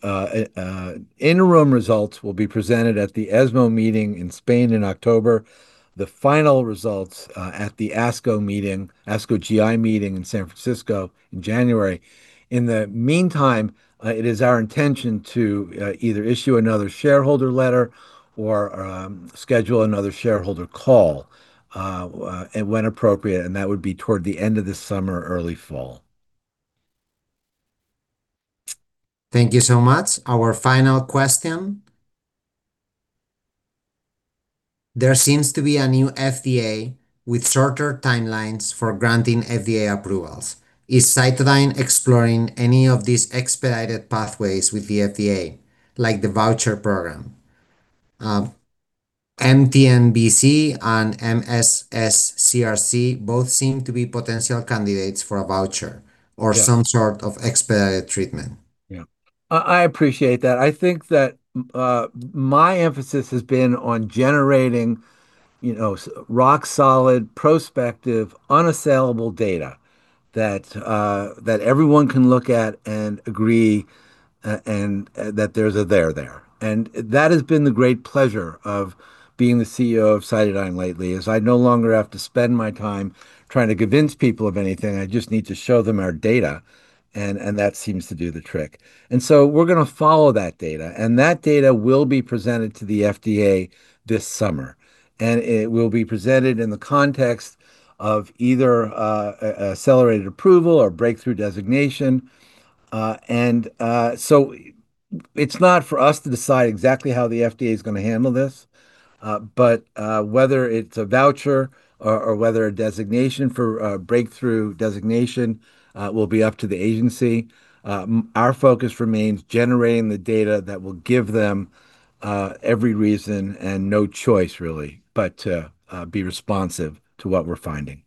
interim results will be presented at the ESMO meeting in Spain in October, the final results at the ASCO meeting, ASCO GI meeting in San Francisco in January. In the meantime, it is our intention to either issue another shareholder letter or schedule another shareholder call when appropriate, and that would be toward the end of the summer or early fall. Thank you so much. Our final question, there seems to be a new FDA with shorter timelines for granting FDA approvals. Is CytoDyn exploring any of these expedited pathways with the FDA, like the voucher program? mTNBC and MSS CRC both seem to be potential candidates for a voucher. Yeah Some sort of expedited treatment. Yeah. I appreciate that. I think that my emphasis has been on generating, you know, rock solid, prospective, unassailable data that everyone can look at and agree and that there's a there there. That has been the great pleasure of being the CEO of CytoDyn lately, is I no longer have to spend my time trying to convince people of anything. I just need to show them our data and that seems to do the trick. We're gonna follow that data, and that data will be presented to the FDA this summer, and it will be presented in the context of either Accelerated Approval or Breakthrough Designation. It's not for us to decide exactly how the FDA is going to handle this, whether it's a voucher or whether a designation for Breakthrough Designation will be up to the agency. Our focus remains generating the data that will give them every reason and no choice really but to be responsive to what we're finding.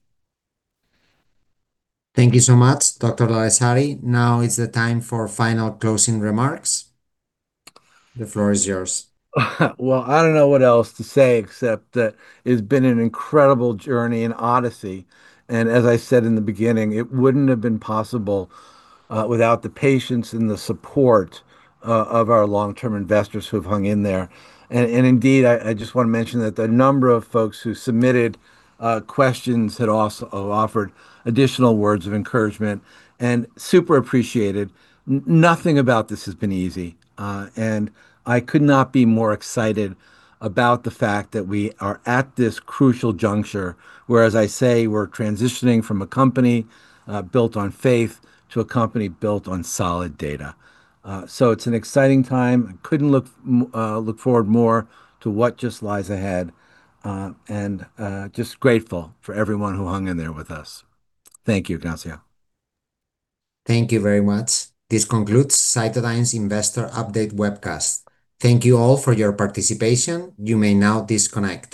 Thank you so much, Dr. Lalezari. Now is the time for final closing remarks. The floor is yours. Well, I don't know what else to say except that it's been an incredible journey, an odyssey. As I said in the beginning, it wouldn't have been possible without the patience and the support of our long-term investors who have hung in there. Indeed, I just want to mention that the number of folks who submitted questions had also offered additional words of encouragement, and super appreciated. Nothing about this has been easy, I could not be more excited about the fact that we are at this crucial juncture where, as I say, we're transitioning from a company built on faith to a company built on solid data. It's an exciting time. I couldn't look forward more to what just lies ahead, and just grateful for everyone who hung in there with us. Thank you, Ignacio. Thank you very much. This concludes CytoDyn's Investor Update Webcast. Thank you all for your participation. You may now disconnect.